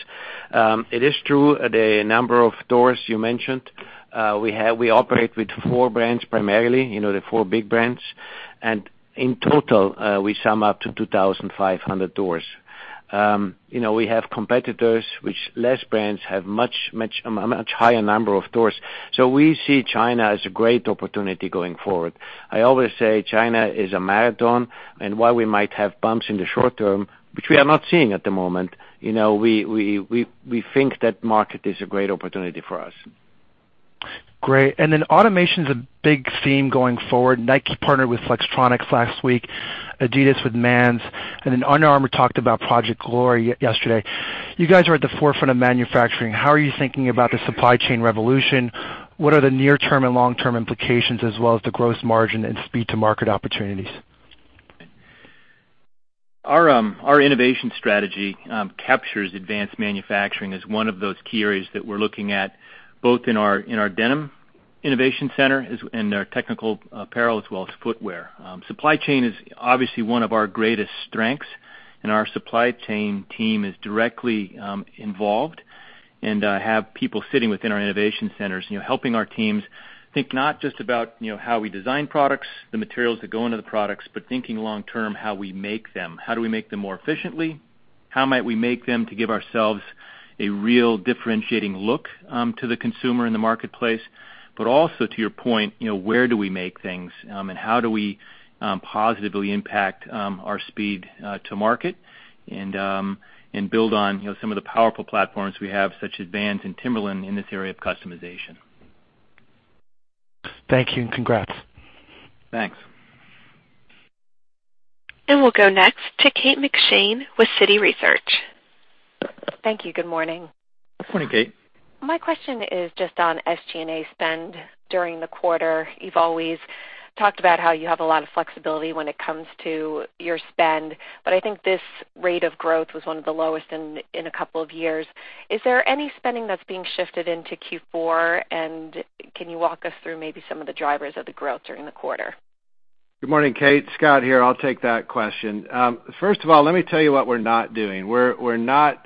It is true, the number of doors you mentioned. We operate with four brands primarily, the four big brands. In total, we sum up to 2,500 doors. We have competitors which less brands have a much higher number of doors. We see China as a great opportunity going forward. I always say China is a marathon, while we might have bumps in the short term, which we are not seeing at the moment, we think that market is a great opportunity for us. Great. Automation's a big theme going forward. Nike partnered with Flextronics last week, Adidas with Manz, Under Armour talked about Project Glory yesterday. You guys are at the forefront of manufacturing. How are you thinking about the supply chain revolution? What are the near-term and long-term implications as well as the gross margin and speed to market opportunities? Our innovation strategy captures advanced manufacturing as one of those key areas that we're looking at, both in our denim innovation center, in our technical apparel, as well as footwear. Supply chain is obviously one of our greatest strengths. Our supply chain team is directly involved and have people sitting within our innovation centers, helping our teams think not just about how we design products, the materials that go into the products, but thinking long term, how we make them. How do we make them more efficiently? How might we make them to give ourselves a real differentiating look to the consumer in the marketplace? Also, to your point, where do we make things? How do we positively impact our speed to market and build on some of the powerful platforms we have, such as Vans and Timberland in this area of customization. Thank you, congrats. Thanks. We'll go next to Kate McShane with Citi Research. Thank you. Good morning. Good morning, Kate. My question is just on SG&A spend during the quarter. You've always talked about how you have a lot of flexibility when it comes to your spend, but I think this rate of growth was one of the lowest in a couple of years. Is there any spending that's being shifted into Q4? Can you walk us through maybe some of the drivers of the growth during the quarter? Good morning, Kate. Scott here. I'll take that question. First of all, let me tell you what we're not doing. We're not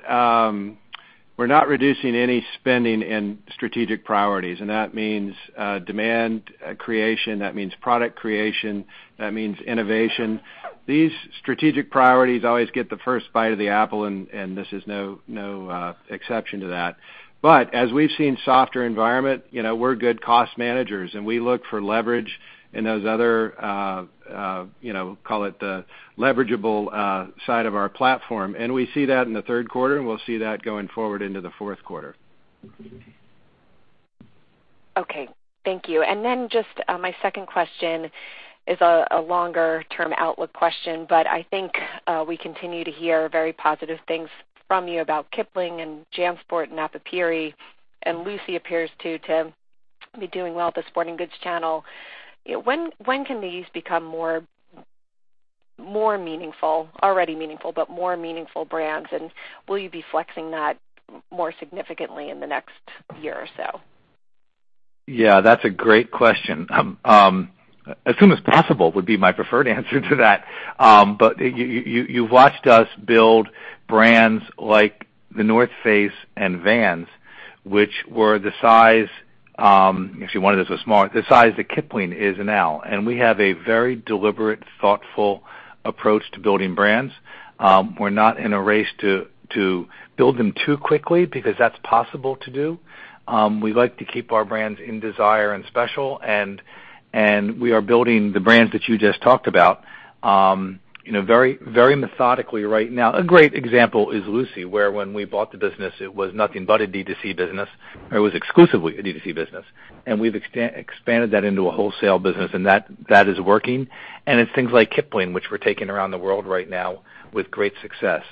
reducing any spending in strategic priorities. That means demand creation, that means product creation, that means innovation. These strategic priorities always get the first bite of the apple, and this is no exception to that. As we've seen softer environment, we're good cost managers, we look for leverage in those other, call it the leverageable side of our platform. We see that in the third quarter, and we'll see that going forward into the fourth quarter. Thank you. Just my second question is a longer-term outlook question, but I think we continue to hear very positive things from you about Kipling and JanSport and Napapijri, and Lucy appears to be doing well at the sporting goods channel. When can these become more meaningful, already meaningful, but more meaningful brands, and will you be flexing that more significantly in the next year or so? Yeah, that's a great question. As soon as possible would be my preferred answer to that. You've watched us build brands like The North Face and Vans, which were the size, if you wanted this smaller, the size that Kipling is now. We have a very deliberate, thoughtful approach to building brands. We're not in a race to build them too quickly because that's possible to do. We like to keep our brands in desire and special, and we are building the brands that you just talked about very methodically right now. A great example is Lucy, where when we bought the business, it was nothing but a D2C business, or it was exclusively a D2C business. We've expanded that into a wholesale business, and that is working. It's things like Kipling, which we're taking around the world right now with great success.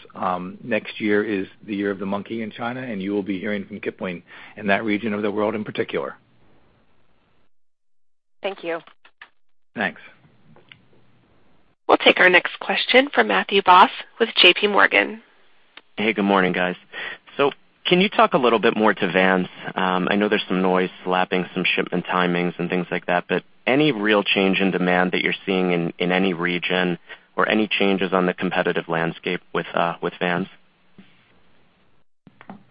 Next year is the year of the monkey in China, you will be hearing from Kipling in that region of the world in particular. Thank you. Thanks. We'll take our next question from Matthew Boss with JPMorgan. Hey, good morning, guys. Can you talk a little bit more to Vans? I know there's some noise lapping some shipment timings and things like that, but any real change in demand that you're seeing in any region or any changes on the competitive landscape with Vans?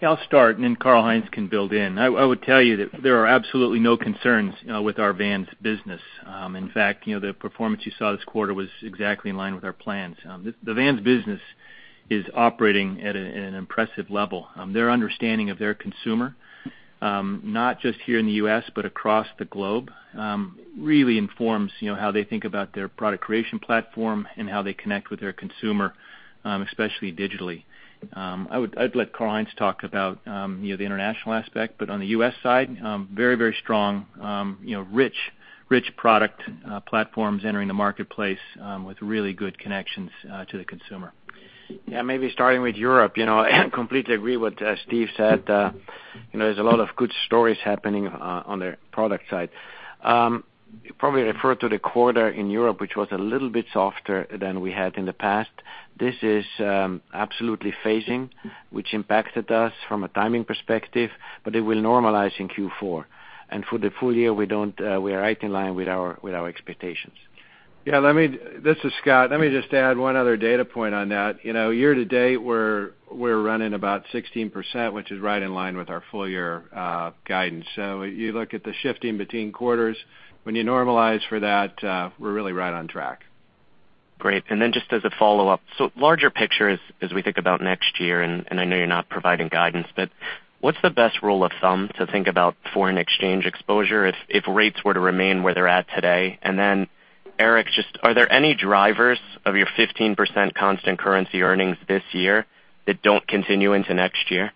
I'll start and then Karl-Heinz can build in. I would tell you that there are absolutely no concerns with our Vans business. In fact, the performance you saw this quarter was exactly in line with our plans. The Vans business is operating at an impressive level. Their understanding of their consumer, not just here in the U.S., but across the globe, really informs how they think about their product creation platform and how they connect with their consumer, especially digitally. I'd let Karl-Heinz talk about the international aspect, but on the U.S. side, very strong, rich product platforms entering the marketplace with really good connections to the consumer. Yeah, maybe starting with Europe. Completely agree what Steve said. There's a lot of good stories happening on their product side. Probably refer to the quarter in Europe, which was a little bit softer than we had in the past. This is absolutely phasing, which impacted us from a timing perspective, but it will normalize in Q4. For the full year, we are right in line with our expectations. Yeah. This is Scott. Let me just add one other data point on that. Year to date, we're running about 16%, which is right in line with our full-year guidance. You look at the shifting between quarters. When you normalize for that, we're really right on track. Great. Just as a follow-up, larger picture as we think about next year, I know you're not providing guidance, what's the best rule of thumb to think about foreign exchange exposure if rates were to remain where they're at today? Eric, just are there any drivers of your 15% constant currency earnings this year that don't continue into next year?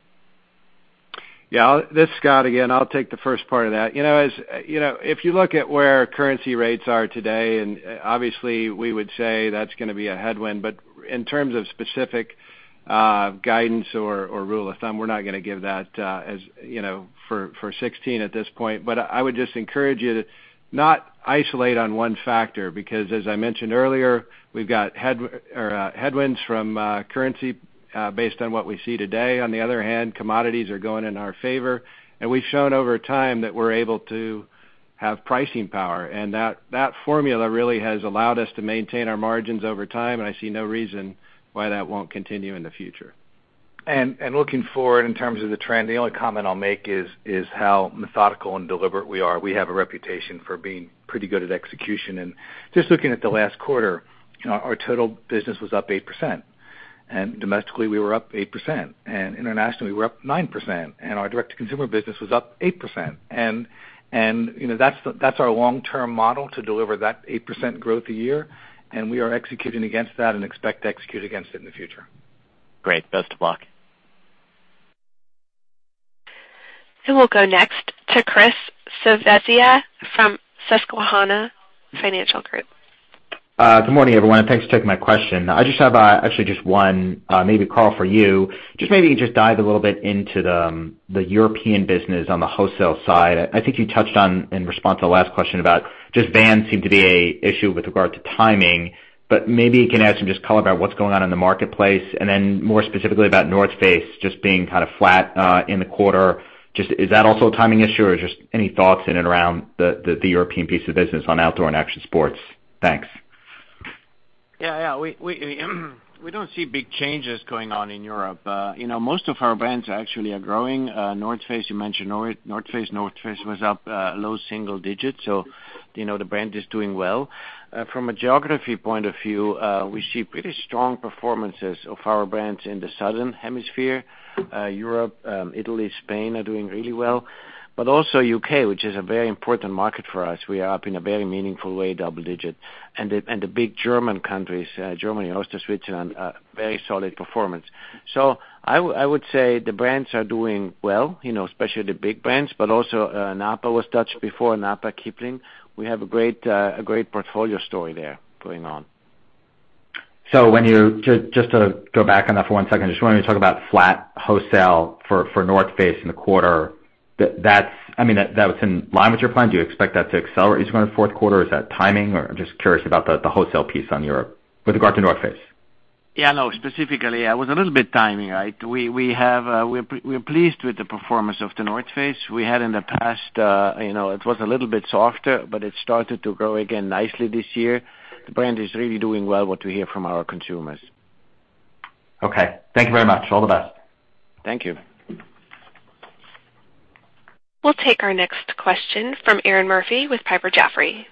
Yeah. This is Scott again. I'll take the first part of that. If you look at where currency rates are today, obviously we would say that's going to be a headwind, in terms of specific guidance or rule of thumb, we're not going to give that for 2016 at this point. I would just encourage you to not isolate on one factor, because as I mentioned earlier, we've got headwinds from currency based on what we see today. On the other hand, commodities are going in our favor, we've shown over time that we're able to have pricing power. That formula really has allowed us to maintain our margins over time, I see no reason why that won't continue in the future. Looking forward in terms of the trend, the only comment I'll make is how methodical and deliberate we are. We have a reputation for being pretty good at execution. Just looking at the last quarter, our total business was up 8%, domestically we were up 8%, internationally we were up 9%, our direct-to-consumer business was up 8%. That's our long-term model to deliver that 8% growth a year, we are executing against that and expect to execute against it in the future. Great. Best of luck. We'll go next to Chris Svezia from Susquehanna Financial Group. Good morning, everyone, and thanks for taking my question. I actually just have one, maybe Karl for you. Maybe just dive a little bit into the European business on the wholesale side. I think you touched on in response to the last question about Vans seem to be an issue with regard to timing, but maybe you can add some color about what's going on in the marketplace, and then more specifically about The North Face just being flat in the quarter. Is that also a timing issue or any thoughts in and around the European piece of business on outdoor and action sports? Thanks. We don't see big changes going on in Europe. Most of our brands actually are growing. The North Face, you mentioned The North Face. The North Face was up low single digits. The brand is doing well. From a geography point of view, we see pretty strong performances of our brands in the Southern Hemisphere. Europe, Italy, Spain are doing really well. Also U.K., which is a very important market for us. We are up in a very meaningful way, double-digit. The big German countries, Germany, Austria, Switzerland, very solid performance. I would say the brands are doing well, especially the big brands, but also NAPA was touched before. NAPA, Kipling. We have a great portfolio story there going on. Just to go back on that for one second, just when we talk about flat wholesale for The North Face in the quarter, that was in line with your plan. Do you expect that to accelerate going into fourth quarter? Is that timing, or just curious about the wholesale piece on Europe with regard to The North Face? Specifically, it was a little bit timing, right? We're pleased with the performance of The North Face. We had in the past, it was a little bit softer, but it started to grow again nicely this year. The brand is really doing well, what we hear from our consumers. Thank you very much. All the best. Thank you. We'll take our next question from Erinn Murphy with Piper Jaffray.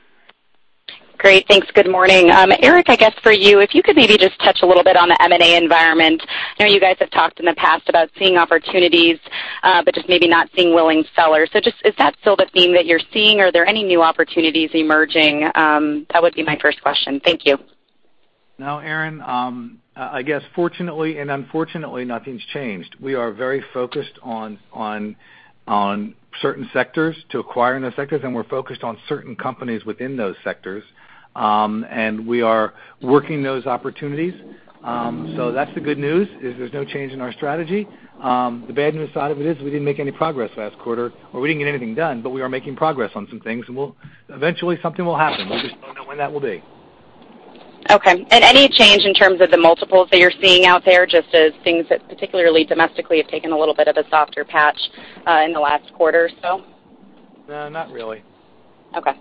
Great. Thanks. Good morning. Eric, I guess for you, if you could maybe just touch a little bit on the M&A environment. I know you guys have talked in the past about seeing opportunities, but just maybe not seeing willing sellers. Is that still the theme that you're seeing? Are there any new opportunities emerging? That would be my first question. Thank you. No, Erinn. I guess fortunately and unfortunately, nothing's changed. We are very focused on certain sectors to acquire in those sectors, and we're focused on certain companies within those sectors. We are working those opportunities. That's the good news, is there's no change in our strategy. The bad news side of it is we didn't make any progress last quarter, or we didn't get anything done, but we are making progress on some things, and eventually something will happen. We just don't know when that will be. Okay. Any change in terms of the multiples that you're seeing out there, just as things that particularly domestically have taken a little bit of a softer patch in the last quarter or so? No, not really. Okay.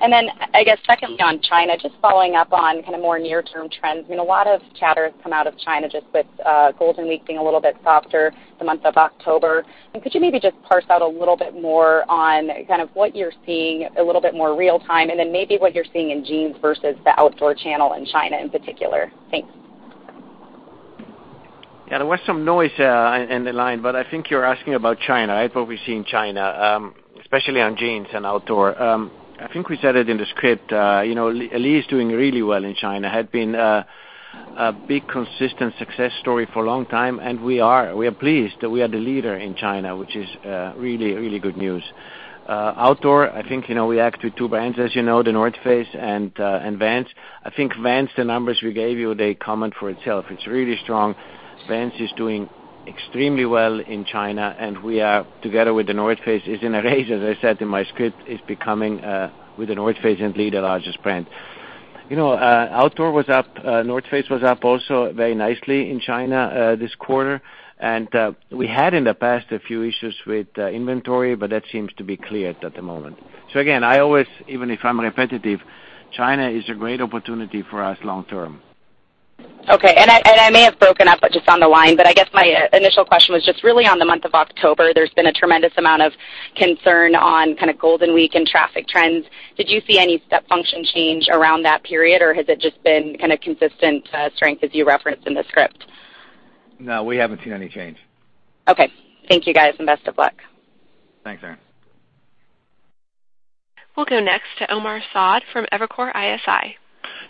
I guess secondly on China, just following up on more near-term trends. A lot of chatter has come out of China just with Golden Week being a little bit softer the month of October. Could you maybe just parse out a little bit more on kind of what you're seeing, a little bit more real time, and then maybe what you're seeing in jeans versus the outdoor channel in China in particular? Thanks. There was some noise in the line, I think you're asking about China, right? What we see in China, especially on jeans and outdoor. I think we said it in the script. Lee is doing really well in China. Had been a big consistent success story for a long time, and we are pleased that we are the leader in China, which is really good news. Outdoor, I think, we act with two brands, as you know, The North Face and Vans. I think Vans, the numbers we gave you, they comment for itself. It's really strong. Vans is doing extremely well in China, and we are, together with The North Face, is in a race, as I said in my script, is becoming, with The North Face, indeed the largest brand. Outdoor was up. The North Face was up also very nicely in China this quarter. We had in the past a few issues with inventory, that seems to be cleared at the moment. Again, I always, even if I'm repetitive, China is a great opportunity for us long term. Okay. I may have broken up just on the line, but I guess my initial question was just really on the month of October. There has been a tremendous amount of concern on kind of Golden Week and traffic trends. Did you see any step function change around that period, or has it just been kind of consistent strength as you referenced in the script? No, we haven't seen any change. Okay. Thank you, guys, and best of luck. Thanks, Erinn. We'll go next to Omar Saad from Evercore ISI.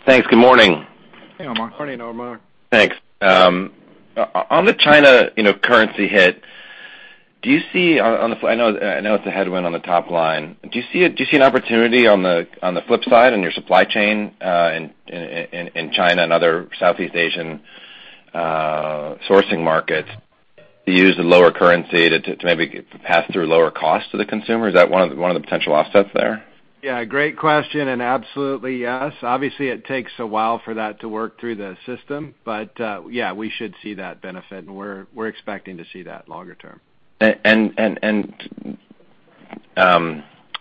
Thanks. Good morning. Hey, Omar. Morning, Omar. Thanks. On the China currency hit, I know it is a headwind on the top line. Do you see an opportunity on the flip side in your supply chain in China and other Southeast Asian sourcing markets to use the lower currency to maybe pass through lower cost to the consumer? Is that one of the potential offsets there? Yeah, great question. Absolutely yes. Obviously, it takes a while for that to work through the system. Yeah, we should see that benefit, and we are expecting to see that longer term.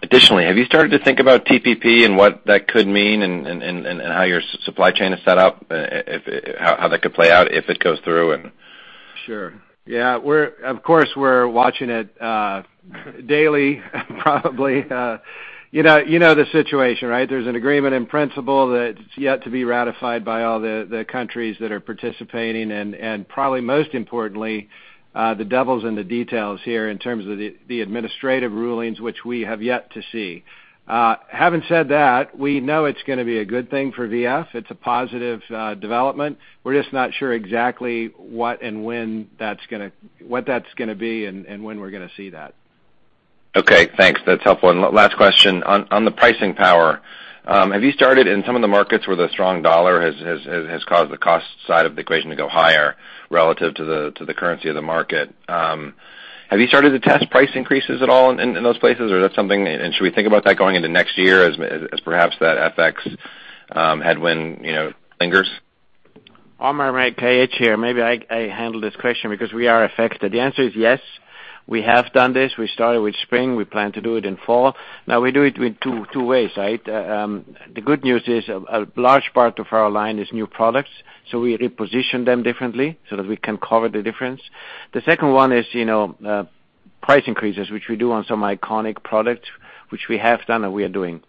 Additionally, have you started to think about TPP and what that could mean and how your supply chain is set up, how that could play out if it goes through and Sure. Yeah. Of course, we are watching it daily, probably. You know the situation, right? There is an agreement in principle that is yet to be ratified by all the countries that are participating, and probably most importantly, the devil is in the details here in terms of the administrative rulings, which we have yet to see. Having said that, we know it is going to be a good thing for VF. It is a positive development. We are just not sure exactly what that is going to be and when we are going to see that. Okay, thanks. That's helpful. Last question. On the pricing power, have you started in some of the markets where the strong dollar has caused the cost side of the equation to go higher relative to the currency of the market? Have you started to test price increases at all in those places, or is that something, and should we think about that going into next year as perhaps that FX headwind lingers? Omar, KH here. Maybe I handle this question because we are affected. The answer is yes, we have done this. We started with spring. We plan to do it in fall. We do it with two ways, right? The good news is a large part of our line is new products, so we reposition them differently so that we can cover the difference. The second one is price increases, which we do on some iconic products, which we have done and we are doing.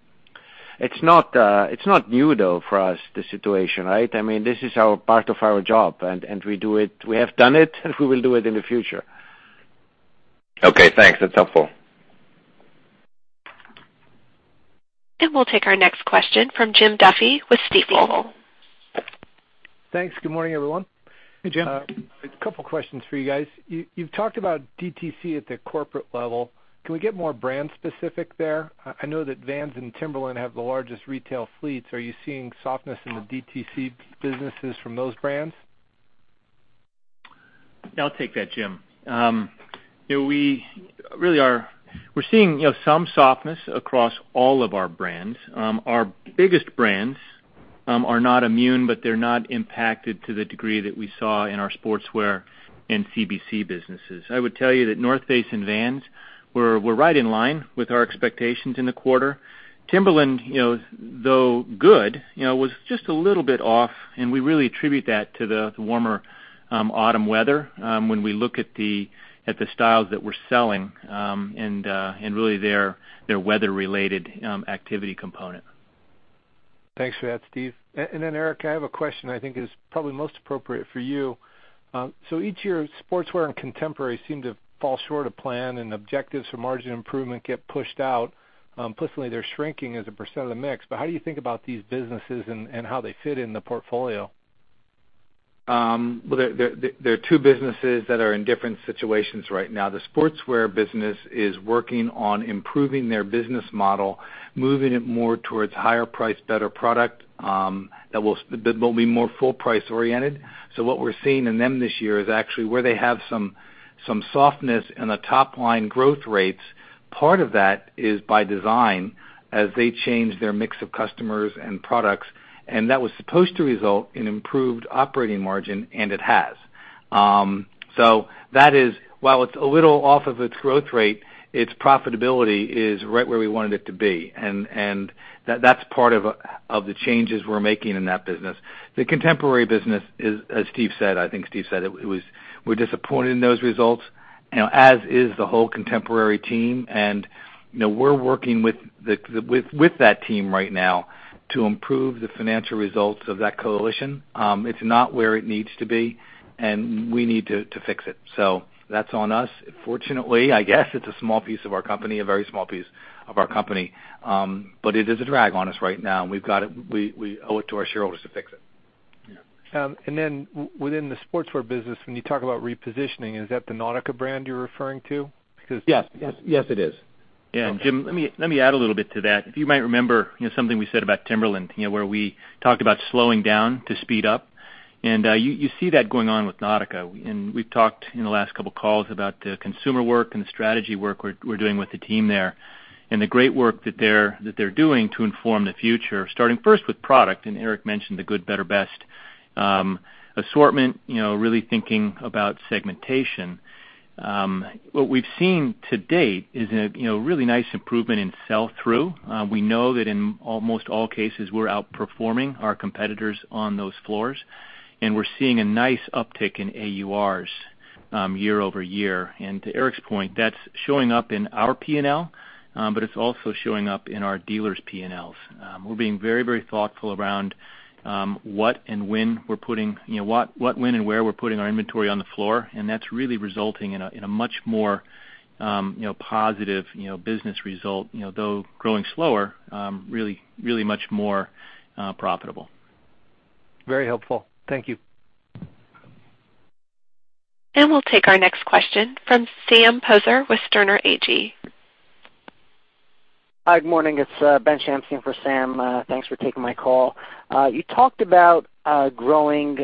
It's not new, though, for us, the situation, right? This is part of our job, and we have done it, and we will do it in the future. Okay, thanks. That's helpful. We'll take our next question from Jim Duffy with Stifel. Thanks. Good morning, everyone. Hey, Jim. A couple questions for you guys. You've talked about D2C at the corporate level. Can we get more brand specific there? I know that Vans and Timberland have the largest retail fleets. Are you seeing softness in the D2C businesses from those brands? I'll take that, Jim. We're seeing some softness across all of our brands. Our biggest brands are not immune, but they're not impacted to the degree that we saw in our sportswear and CBC businesses. I would tell you that North Face and Vans were right in line with our expectations in the quarter. Timberland, though good, was just a little bit off, and we really attribute that to the warmer autumn weather when we look at the styles that we're selling, and really their weather-related activity component. Thanks for that, Steve. Eric, I have a question I think is probably most appropriate for you. Each year, sportswear and contemporary seem to fall short of plan, and objectives for margin improvement get pushed out. Implicitly, they're shrinking as a % of the mix, but how do you think about these businesses and how they fit in the portfolio? Well, they're two businesses that are in different situations right now. The sportswear business is working on improving their business model, moving it more towards higher price, better product, that will be more full price oriented. What we're seeing in them this year is actually where they have some softness in the top line growth rates. Part of that is by design as they change their mix of customers and products. That was supposed to result in improved operating margin, and it has. That is, while it's a little off of its growth rate, its profitability is right where we wanted it to be. That's part of the changes we're making in that business. The contemporary business, as Steve said, I think Steve said it, we're disappointed in those results, as is the whole contemporary team. We're working with that team right now to improve the financial results of that coalition. It's not where it needs to be, and we need to fix it. That's on us. Fortunately, I guess, it's a small piece of our company, a very small piece of our company. It is a drag on us right now, and we owe it to our shareholders to fix it. Yeah. Within the sportswear business, when you talk about repositioning, is that the Nautica brand you're referring to? Yes. Yes, it is. Yeah. Jim, let me add a little bit to that. You might remember something we said about Timberland, where we talked about slowing down to speed up. You see that going on with Nautica. We've talked in the last couple of calls about the consumer work and the strategy work we're doing with the team there. The great work that they're doing to inform the future, starting first with product, and Eric mentioned the good, better, best assortment, really thinking about segmentation. What we've seen to date is a really nice improvement in sell-through. We know that in almost all cases, we're outperforming our competitors on those floors, and we're seeing a nice uptick in AURs year-over-year. To Eric's point, that's showing up in our P&L, but it's also showing up in our dealers' P&Ls. We're being very thoughtful around what, when and where we're putting our inventory on the floor. That's really resulting in a much more positive business result. Though growing slower, really much more profitable. Very helpful. Thank you. We'll take our next question from Sam Poser with Sterne Agee. Hi, good morning. It's Ben Shamsian for Sam. Thanks for taking my call. You talked about growing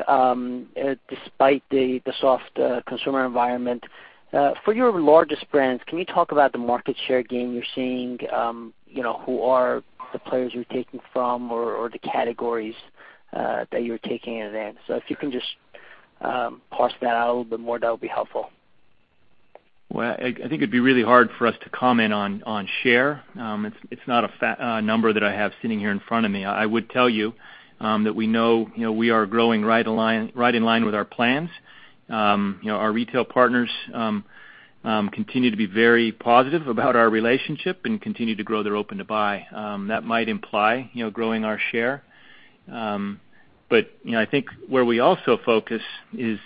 despite the soft consumer environment. For your largest brands, can you talk about the market share gain you're seeing, who are the players you're taking from or the categories that you're taking in advance? If you can just parse that out a little bit more, that would be helpful. Well, I think it'd be really hard for us to comment on share. It's not a number that I have sitting here in front of me. I would tell you that we know we are growing right in line with our plans. Our retail partners continue to be very positive about our relationship and continue to grow their open-to-buy. That might imply growing our share. I think where we also focus is,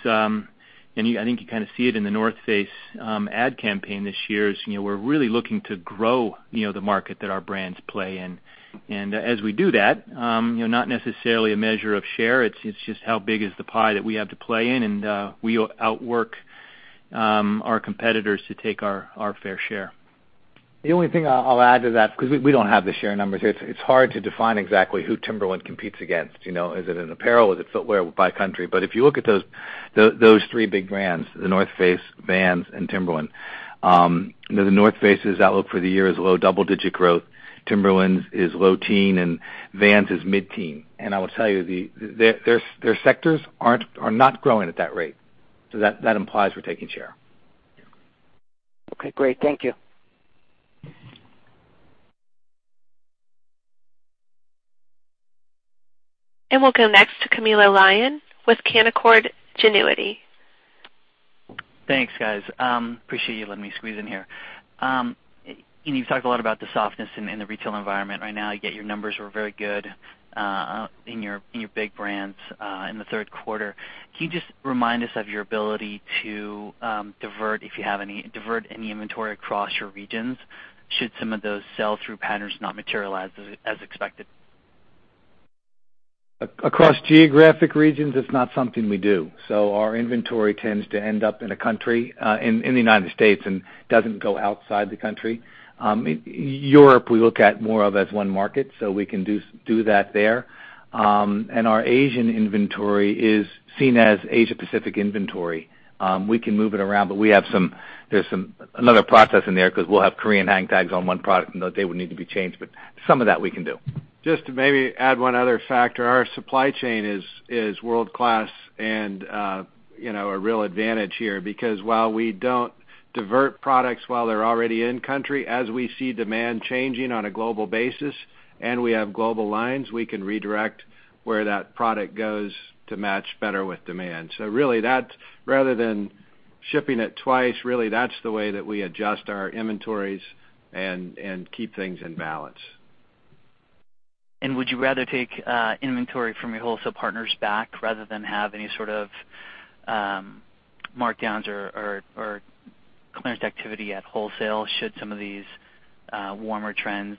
and I think you kind of see it in The North Face ad campaign this year, is we're really looking to grow the market that our brands play in. As we do that, not necessarily a measure of share, it's just how big is the pie that we have to play in, and we outwork our competitors to take our fair share. The only thing I'll add to that, because we don't have the share numbers here. It's hard to define exactly who Timberland competes against. Is it in apparel? Is it footwear by country? If you look at those three big brands, The North Face, Vans, and Timberland. The North Face's outlook for the year is low double-digit growth. Timberland's is low teen, and Vans is mid-teen. I will tell you, their sectors are not growing at that rate. That implies we're taking share. Okay, great. Thank you. We'll go next to Camilo Lyon with Canaccord Genuity. Thanks, guys. Appreciate you letting me squeeze in here. You've talked a lot about the softness in the retail environment right now, yet your numbers were very good in your big brands in the third quarter. Can you just remind us of your ability to divert, if you have any, divert any inventory across your regions should some of those sell-through patterns not materialize as expected? Across geographic regions, it's not something we do. Our inventory tends to end up in a country, in the United States, and doesn't go outside the country. Europe, we look at more of as one market, we can do that there. Our Asian inventory is seen as Asia Pacific inventory. We can move it around, but there's another process in there because we'll have Korean hang tags on one product, and they would need to be changed, but some of that we can do. Just to maybe add one other factor, our supply chain is world-class and a real advantage here because while we don't divert products while they're already in country, as we see demand changing on a global basis and we have global lines, we can redirect where that product goes to match better with demand. Really that, rather than shipping it twice, really that's the way that we adjust our inventories and keep things in balance. Would you rather take inventory from your wholesale partners back rather than have any sort of markdowns or clearance activity at wholesale should some of these warmer trends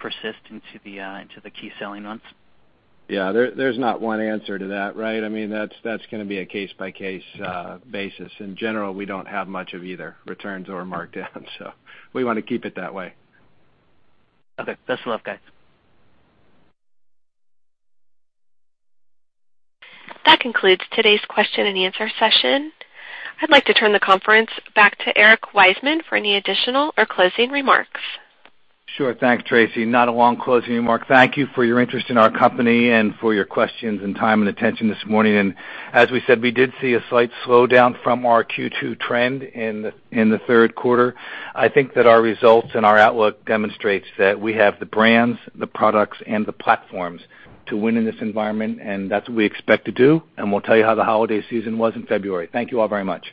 persist into the key selling months? Yeah. There's not one answer to that, right? That's going to be a case-by-case basis. In general, we don't have much of either, returns or markdowns. We want to keep it that way. Okay. Best of luck, guys. That concludes today's question and answer session. I'd like to turn the conference back to Eric Wiseman for any additional or closing remarks. Sure. Thanks, Tracy. Not a long closing remark. Thank you for your interest in our company and for your questions and time and attention this morning. As we said, we did see a slight slowdown from our Q2 trend in the third quarter. I think that our results and our outlook demonstrates that we have the brands, the products, and the platforms to win in this environment, and that's what we expect to do, and we'll tell you how the holiday season was in February. Thank you all very much.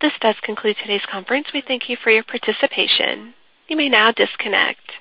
This does conclude today's conference. We thank you for your participation. You may now disconnect.